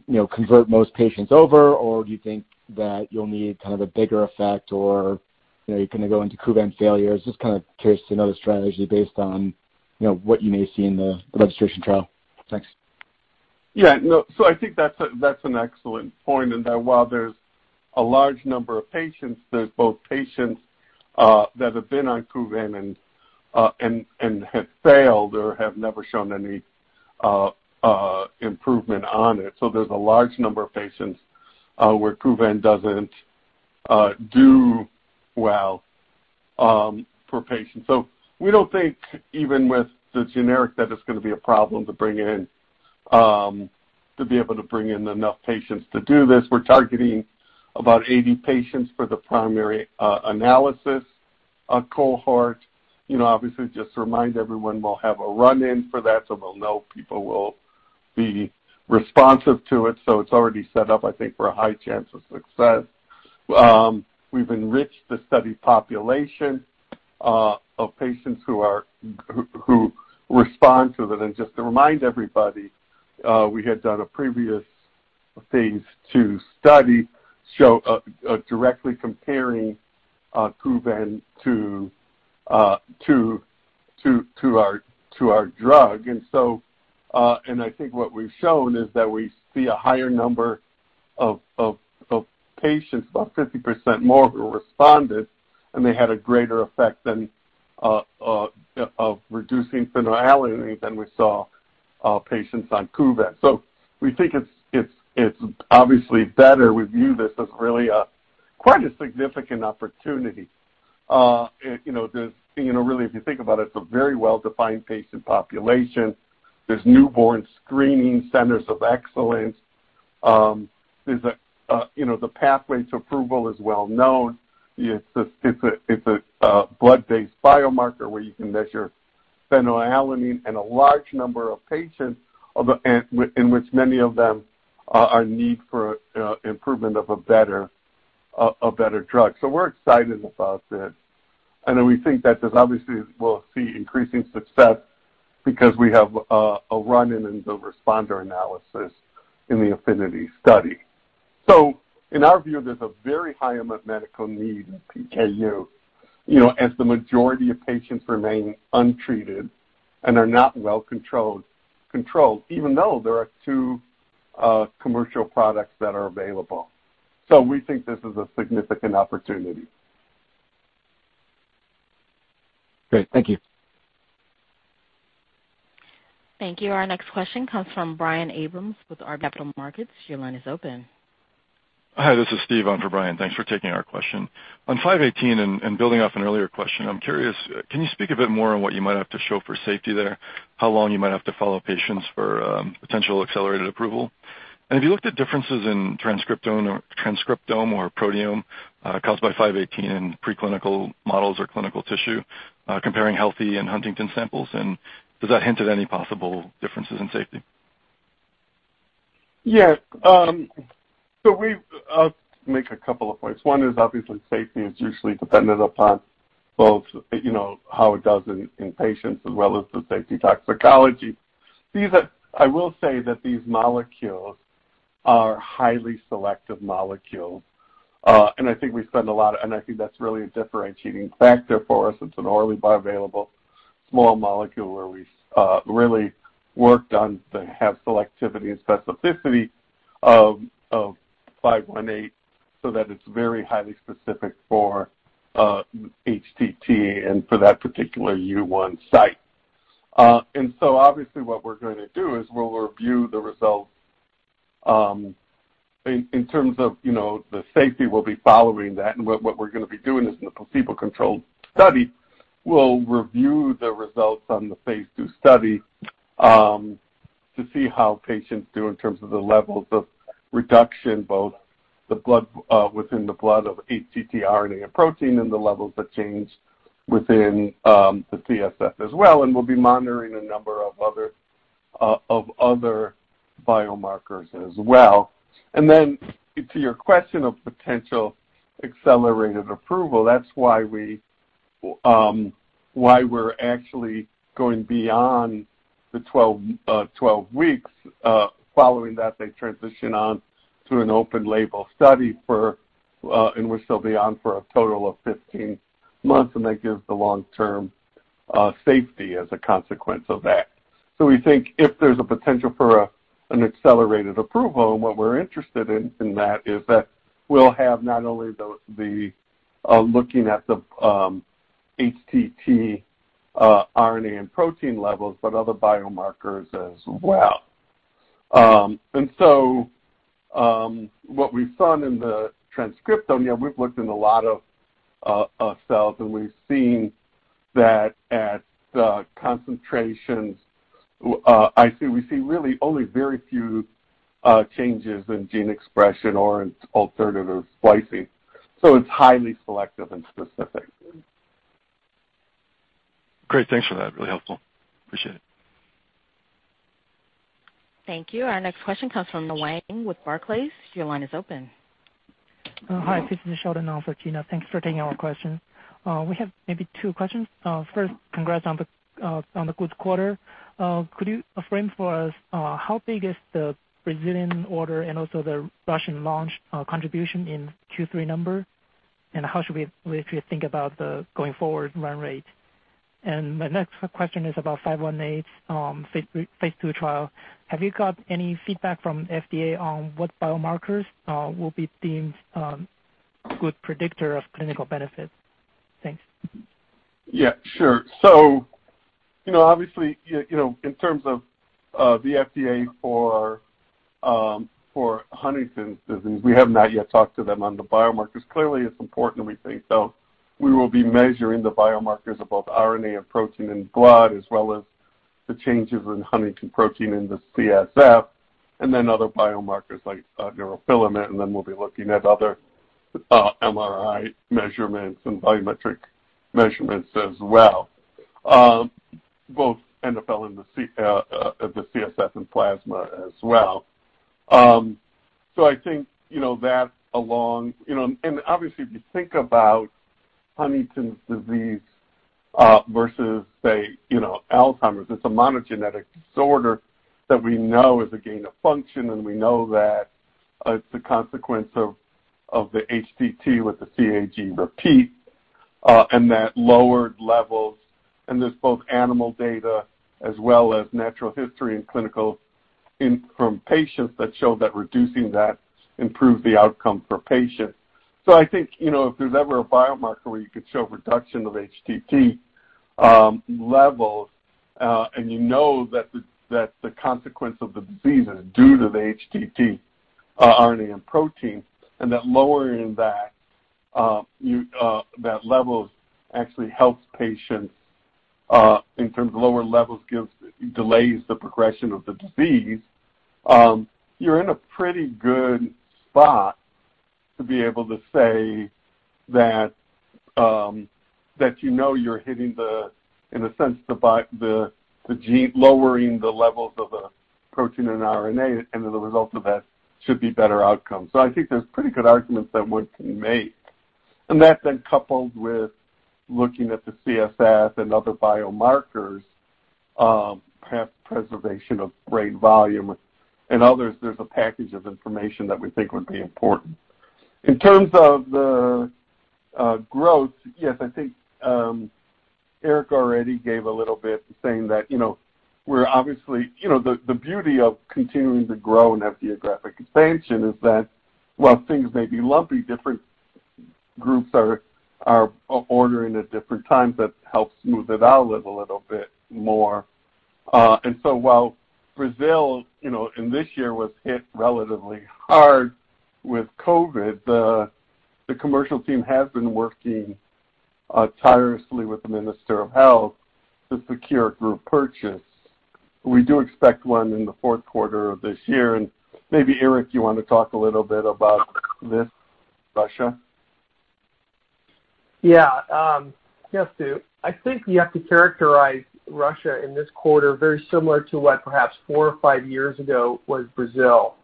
know, convert most patients over, or do you think that you'll need kind of a bigger effect or, you know, you're gonna go into Kuvan failures? Just kinda curious to know the strategy based on, you know, what you may see in the registration trial. Thanks. Yeah, no. I think that's an excellent point in that while there's a large number of patients, there's both patients that have been on Kuvan and have failed or have never shown any improvement on it. There's a large number of patients where Kuvan doesn't do well for patients. We don't think even with the generic that it's gonna be a problem to bring in enough patients to do this. We're targeting about 80 patients for the primary analysis cohort. You know, obviously just to remind everyone, we'll have a run-in for that, so we'll know people will be responsive to it. It's already set up, I think, for a high chance of success. We've enriched the study population of patients who respond to it. Just to remind everybody, we had done a previous phase II study that showed directly comparing Kuvan to our drug. I think what we've shown is that we see a higher number of patients, about 50% more who responded, and they had a greater effect of reducing phenylalanine than we saw patients on Kuvan. We think it's obviously better. We view this as really quite a significant opportunity. You know, there's, you know, really, if you think about it's a very well-defined patient population. There's newborn screening centers of excellence. There's, you know, the pathway to approval is well known. It's a blood-based biomarker where you can measure phenylalanine and a large number of patients in which many of them are in need of a better drug. We're excited about this. We think that this obviously will see increasing success because we have a run-in in the responder analysis in the APHENITY study. In our view, there's a very high amount of medical need in PKU, you know, as the majority of patients remain untreated and are not well controlled, even though there are two commercial products that are available. We think this is a significant opportunity. Great. Thank you. Thank you. Our next question comes from Brian Abrahams with RBC Capital Markets. Your line is open. Hi, this is Steve on for Brian. Thanks for taking our question. On PTC-518 and building off an earlier question, I'm curious, can you speak a bit more on what you might have to show for safety there, how long you might have to follow patients for potential accelerated approval? And have you looked at differences in transcriptome or proteome caused by PTC-518 in preclinical models or clinical tissue comparing healthy and Huntington's samples? And does that hint at any possible differences in safety? Yeah. We've, I'll make a couple of points. One is obviously safety is usually dependent upon both, you know, how it does in patients as well as the safety toxicology. These are. I will say that these molecules are highly selective molecules. I think we spend a lot, and I think that's really a differentiating factor for us. It's an orally bioavailable small molecule where we really worked on to have selectivity and specificity of five-one-eight so that it's very highly specific for HTT and for that particular U1 site. Obviously what we're gonna do is we'll review the results in terms of, you know, the safety we'll be following that. What we're gonna be doing is in the placebo-controlled study, we'll review the results on the phase II study to see how patients do in terms of the levels of reduction, both in the blood of HTT RNA and protein and the levels that change within the CSF as well. We'll be monitoring a number of other biomarkers as well. To your question of potential accelerated approval, that's why we're actually going beyond the 12 weeks, following that they transition on to an open label study in which they'll be on for a total of 15 months, and that gives the long-term safety as a consequence of that. We think if there's a potential for an accelerated approval, and what we're interested in in that is that we'll have not only looking at the HTT RNA and protein levels, but other biomarkers as well. What we saw in the transcriptome, we've looked in a lot of cells, and we've seen that at the concentrations we see really only very few changes in gene expression or in alternative splicing. It's highly selective and specific. Great. Thanks for that. Really helpful. Appreciate it. Thank you. Our next question comes from Tina Wang with Barclays. Your line is open. Hi. This is Sheldon on for Tina. Thanks for taking our question. We have maybe two questions. First, congrats on the good quarter. Could you frame for us how big is the Brazilian order and also the Russian launch contribution in Q3 number? And how should we think about the going forward run rate? And the next question is about 518, phase II trial. Have you got any feedback from FDA on what biomarkers will be deemed good predictor of clinical benefit? Thanks. Yeah, sure. You know, obviously, in terms of the FDA for Huntington's disease, we have not yet talked to them on the biomarkers. Clearly, it's important we think. We will be measuring the biomarkers of both RNA and protein in blood, as well as the changes in Huntingtin protein in the CSF and then other biomarkers like neurofilament. We'll be looking at other MRI measurements and biometric measurements as well. Both NFL and the CSF and plasma as well. I think, you know, that along. You know, obviously, if you think about Huntington's disease versus say, you know, Alzheimer's, it's a monogenic disorder that we know is a gain of function, and we know that it's a consequence of the HTT with the CAG repeat, and that lowered levels. There's both animal data as well as natural history and clinical info from patients that show that reducing that improved the outcome for patients. I think, you know, if there's ever a biomarker where you could show reduction of HTT levels, and you know that the consequence of the disease is due to the HTT RNA and protein, and that lowering that level actually helps patients in terms of lower levels delays the progression of the disease, you're in a pretty good spot to be able to say that you know you're hitting the, in a sense, the gene, lowering the levels of the protein and RNA, and then the result of that should be better outcomes. I think there's pretty good arguments that one can make. That then coupled with looking at the CSF and other biomarkers, perhaps preservation of brain volume and others, there's a package of information that we think would be important. In terms of the growth, yes, I think Eric already gave a little bit saying that, you know. You know, the beauty of continuing to grow and have geographic expansion is that while things may be lumpy, different groups are ordering at different times, that helps smooth it out a little bit more. While Brazil, you know, and this year was hit relatively hard with COVID, the commercial team has been working tirelessly with the Minister of Health to secure a group purchase. We do expect one in the Q4 of this year. Maybe, Eric, you wanna talk a little bit about this, Russia? Yeah. Yes, Stu. I think you have to characterize Russia in this quarter very similar to what perhaps four or five years ago was Brazil.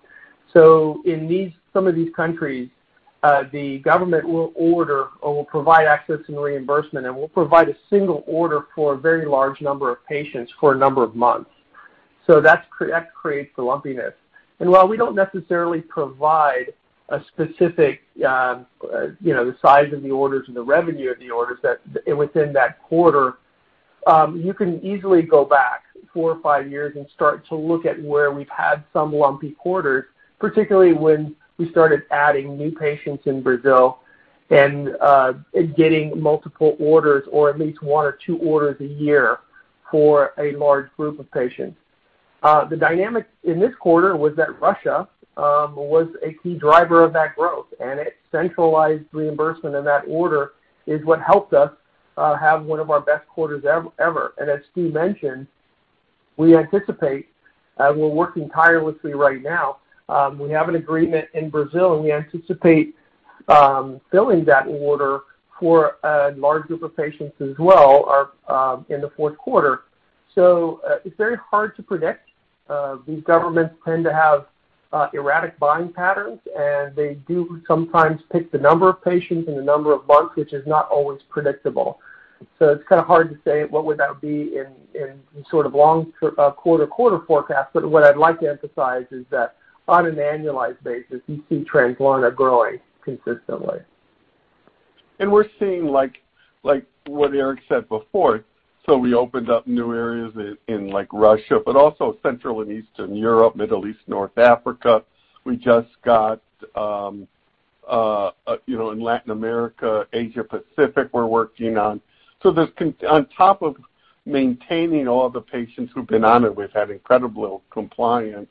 In some of these countries, the government will order or will provide access and reimbursement, and will provide a single order for a very large number of patients for a number of months. That creates the lumpiness. While we don't necessarily provide a specific, you know, the size of the orders and the revenue of those orders within that quarter, you can easily go back four or five years and start to look at where we've had some lumpy quarters, particularly when we started adding new patients in Brazil and getting multiple orders or at least one or two orders a year for a large group of patients. The dynamic in this quarter was that Russia was a key driver of that growth, and its centralized reimbursement in that order is what helped us have one of our best quarters ever. As Stu mentioned, we anticipate we're working tirelessly right now. We have an agreement in Brazil, and we anticipate filling that order for a large group of patients as well in the Q4. It's very hard to predict. These governments tend to have erratic buying patterns, and they do sometimes pick the number of patients and the number of months, which is not always predictable. It's kind of hard to say what would that be in sort of long-term quarter forecast. What I'd like to emphasize is that on an annualized basis, you see Translarna growing consistently. We're seeing like what Eric said before, so we opened up new areas in, like, Russia, but also Central and Eastern Europe, Middle East, North Africa. We just got in Latin America, Asia Pacific, we're working on. There's on top of maintaining all the patients who've been on it, we've had incredible compliance.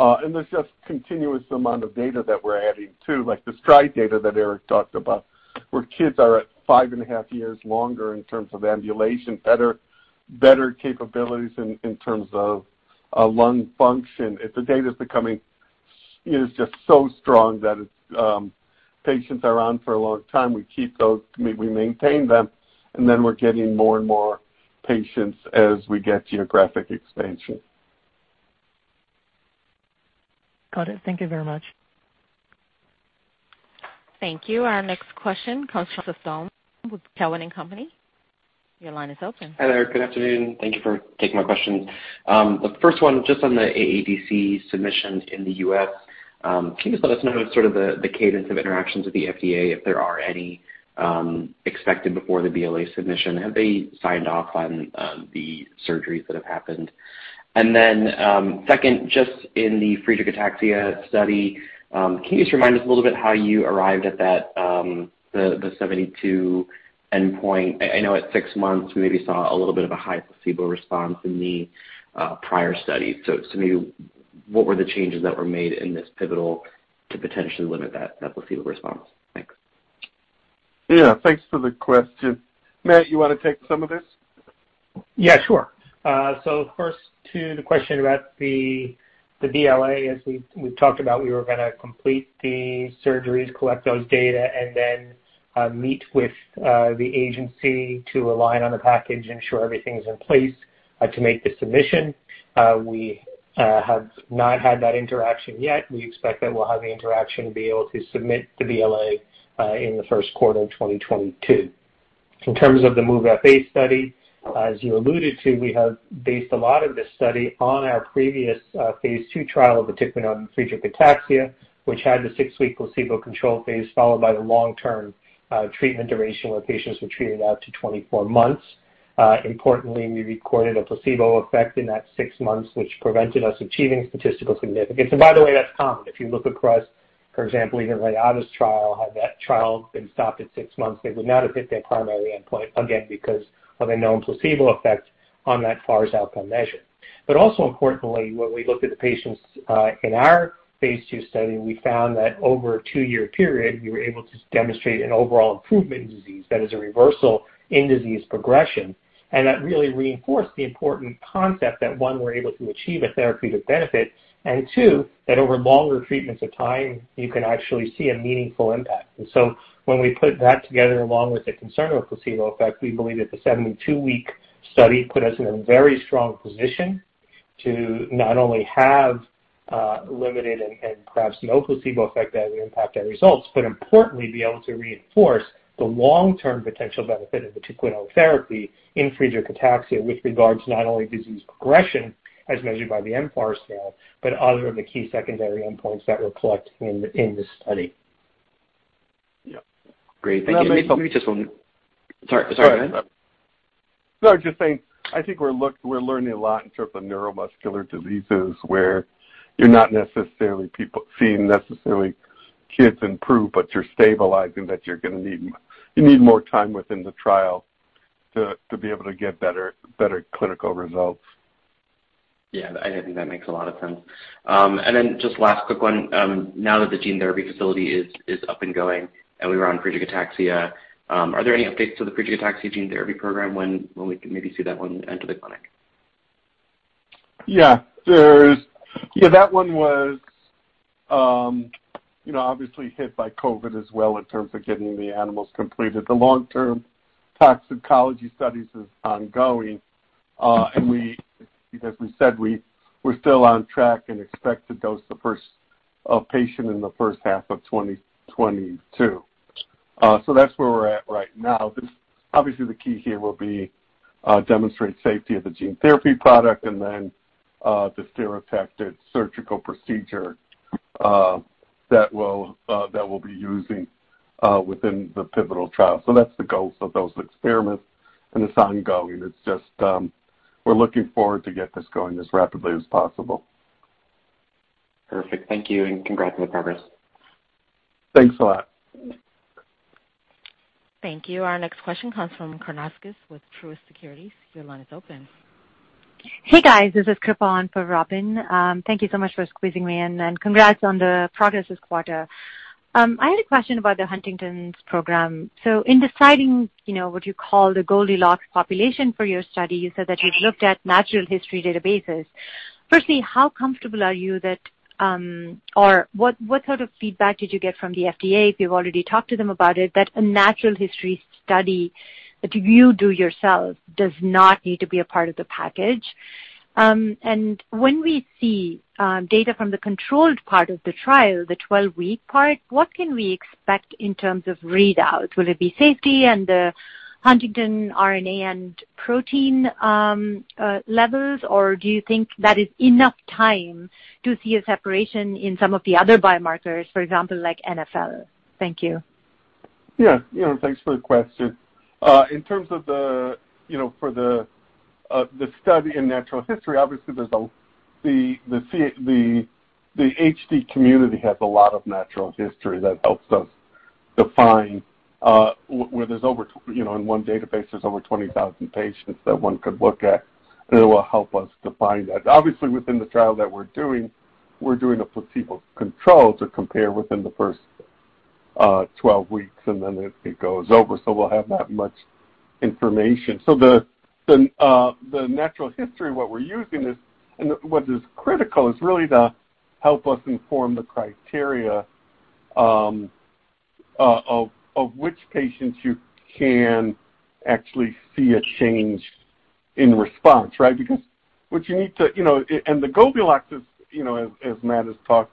And there's just continuous amount of data that we're adding to, like the STRIDE data that Eric talked about, where kids are at five and a half years longer in terms of ambulation, better capabilities in terms of lung function. If the data is just so strong that it's patients are on for a long time, we keep those, we maintain them, and then we're getting more and more patients as we get geographic expansion. Got it. Thank you very much. Thank you. Our next question comes from Joseph Thome with Cowen and Company. Your line is open. Hi there. Good afternoon. Thank you for taking my questions. The first one, just on the AADC submission in the U.S., can you just let us know sort of the cadence of interactions with the FDA, if there are any, expected before the BLA submission? Have they signed off on the surgeries that have happened? Then, second, just in the Friedreich ataxia study, can you just remind us a little bit how you arrived at that the 72 endpoint? I know at six months we maybe saw a little bit of a high placebo response in the prior study. So maybe what were the changes that were made in this pivotal to potentially limit that placebo response? Thanks. Yeah, thanks for the question. Matt, you wanna take some of this? Yeah, sure. So first to the question about the BLA, as we talked about, we were gonna complete the surgeries, collect those data, and then meet with the agency to align on the package, ensure everything's in place to make the submission. We have not had that interaction yet. We expect that we'll have the interaction and be able to submit the BLA in the Q1 of 2022. In terms of the MOVE-FA study, as you alluded to, we have based a lot of this study on our previous phase-II trial, particularly on Friedreich ataxia, which had the six-week placebo control phase followed by the long-term treatment duration, where patients were treated out to 24 months. Importantly, we recorded a placebo effect in that six months, which prevented us achieving statistical significance. By the way, that's common. If you look across, for example, even Reata's trial, had that trial been stopped at six months, they would not have hit their primary endpoint, again, because of a known placebo effect on that FARS outcome measure. Also importantly, when we looked at the patients in our phase II study, we found that over a two-year period, we were able to demonstrate an overall improvement in disease that is a reversal in disease progression. That really reinforced the important concept that, one, we're able to achieve a therapeutic benefit, and two, that over longer treatments of time, you can actually see a meaningful impact. When we put that together along with the concern of placebo effect, we believe that the 72-week study put us in a very strong position to not only have limited and perhaps no placebo effect that would impact our results, but importantly, be able to reinforce the long-term potential benefit of vatiquinone therapy in Friedreich ataxia with regards not only disease progression as measured by the mFARS scale, but other of the key secondary endpoints that were collected in the study. Yeah. Great. Thank you. Let me just- Maybe just one. Sorry, go ahead. No, I was just saying I think we're learning a lot in terms of neuromuscular diseases where you're not necessarily seeing kids improve, but you're stabilizing that you're gonna need more time within the trial to be able to get better clinical results. Yeah. I think that makes a lot of sense. Then just last quick one, now that the gene therapy facility is up and going, and we were on Friedreich ataxia, are there any updates to the Friedreich ataxia gene therapy program when we can maybe see that one enter the clinic? Yeah. That one was, you know, obviously hit by COVID as well in terms of getting the animals completed. The long-term toxicology studies is ongoing, and we, as we said, we're still on track and expect to dose the first patient in the H1 of 2022. So that's where we're at right now. The obviously the key here will be demonstrate safety of the gene therapy product and then the stereotactic surgical procedure that we'll be using within the pivotal trial. So that's the goals of those experiments, and it's ongoing. It's just, we're looking forward to get this going as rapidly as possible. Perfect. Thank you, and congrats on the progress. Thanks a lot. Thank you. Our next question comes from Karnauskas with Truist Securities. Your line is open. Hey, guys. This is Kripa on for Robyn. Thank you so much for squeezing me in, and congrats on the progress this quarter. I had a question about the Huntington's program. In deciding, you know, what you call the Goldilocks population for your study, you said that you've looked at natural history databases. Firstly, how comfortable are you that, or what sort of feedback did you get from the FDA, if you've already talked to them about it, that a natural history study that you do yourself does not need to be a part of the package? And when we see data from the controlled part of the trial, the 12-week part, what can we expect in terms of readout? Will it be safety and the Huntington RNA and protein levels, or do you think that is enough time to see a separation in some of the other biomarkers, for example, like NfL? Thank you. Yeah. You know, thanks for the question. In terms of the, you know, for the study in natural history, obviously there's the HD community has a lot of natural history that helps us define where there's over you know, in one database there's over 20,000 patients that one could look at, and it will help us define that. Obviously, within the trial that we're doing, we're doing a placebo control to compare within the first 12 weeks, and then it goes over, so we'll have that much information. So the natural history, what we're using is, and what is critical, is really to help us inform the criteria of which patients you can actually see a change in response, right? Because what you need to. You know, the Goldilocks is, you know, as Matthew has talked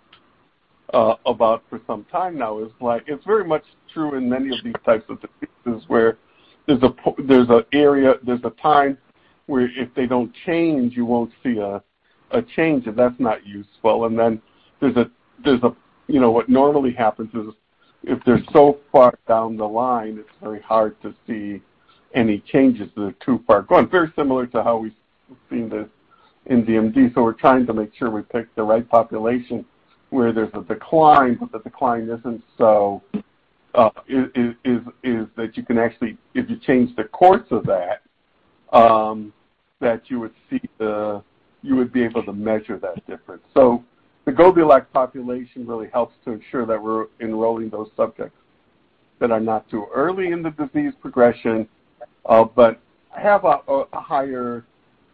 about for some time now, is like, it's very much true in many of these types of diseases where there's an area, there's a time where if they don't change, you won't see a change, and that's not useful. Then there's a, you know, what normally happens is if they're so far down the line, it's very hard to see any changes that are too far gone. Very similar to how we've seen this in DMD. We're trying to make sure we pick the right population where there's a decline, but the decline isn't so is that you can actually if you change the course of that you would see the you would be able to measure that difference. The Goldilocks population really helps to ensure that we're enrolling those subjects that are not too early in the disease progression, but have a higher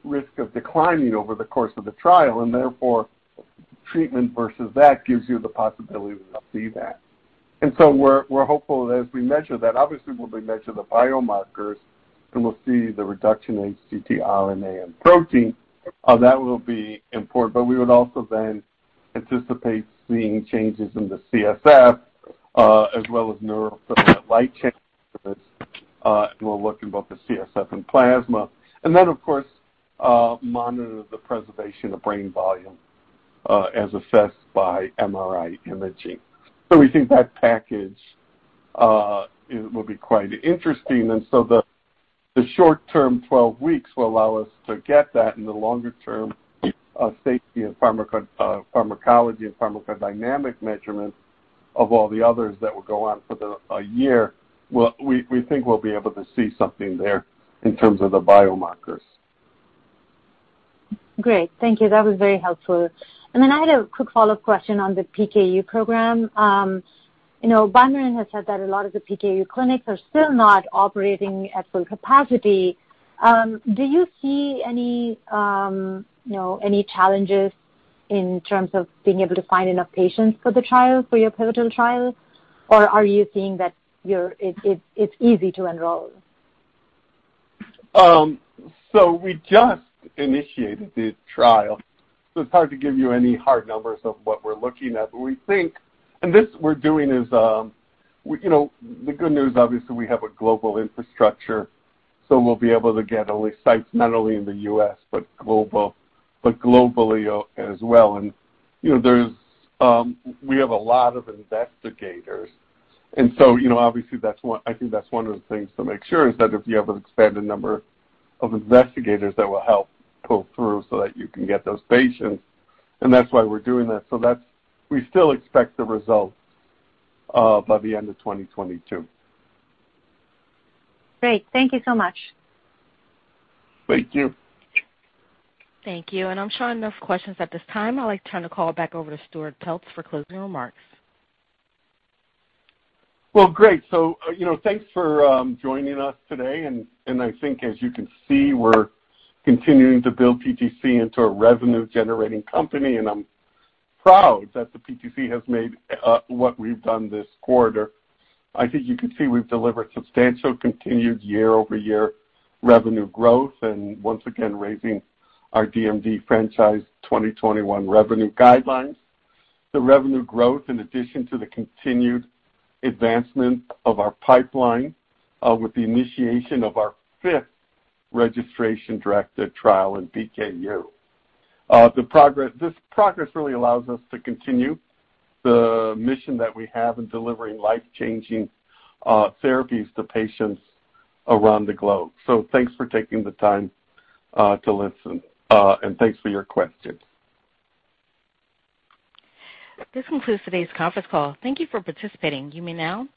risk of declining over the course of the trial, and therefore treatment versus that gives you the possibility to see that. We're hopeful as we measure that. Obviously, we'll be measuring the biomarkers, and we'll see the reduction in HTT RNA and protein. That will be important. We would also then anticipate seeing changes in the CSF, as well as neurofilament changes. We'll look in both the CSF and plasma. Of course, monitor the preservation of brain volume, as assessed by MRI imaging. We think that package will be quite interesting. The short-term 12 weeks will allow us to get that in the longer term, safety and pharmacology and pharmacodynamic measurement of all the others that will go on for a year. Well, we think we'll be able to see something there in terms of the biomarkers. Great. Thank you. That was very helpful. Then I had a quick follow-up question on the PKU program. You know, BioMarin has said that a lot of the PKU clinics are still not operating at full capacity. Do you see any, you know, any challenges in terms of being able to find enough patients for the trial, for your pivotal trial? Or are you seeing that it's easy to enroll? We just initiated the trial, so it's hard to give you any hard numbers of what we're looking at. We think what we're doing is, you know, the good news, obviously, we have a global infrastructure, so we'll be able to get at least sites not only in the U.S., but globally as well. You know, we have a lot of investigators. Obviously that's one of the things to make sure is that if you have an expanded number of investigators that will help pull through so that you can get those patients, and that's why we're doing that. We still expect the results by the end of 2022. Great. Thank you so much. Thank you. Thank you. I'm showing no questions at this time. I'd like to turn the call back over to Stuart Peltz for closing remarks. Well, great. You know, thanks for joining us today. I think as you can see, we're continuing to build PTC into a revenue-generating company, and I'm proud that the PTC has made what we've done this quarter. I think you can see we've delivered substantial continued quarter-over-quarter revenue growth and once again raising our DMD franchise 2021 revenue guidelines. The revenue growth, in addition to the continued advancement of our pipeline with the initiation of our fifth registration-directed trial in PKU, really allows us to continue the mission that we have in delivering life-changing therapies to patients around the globe. Thanks for taking the time to listen, and thanks for your questions. This concludes today's conference call. Thank you for participating. You may now disconnect.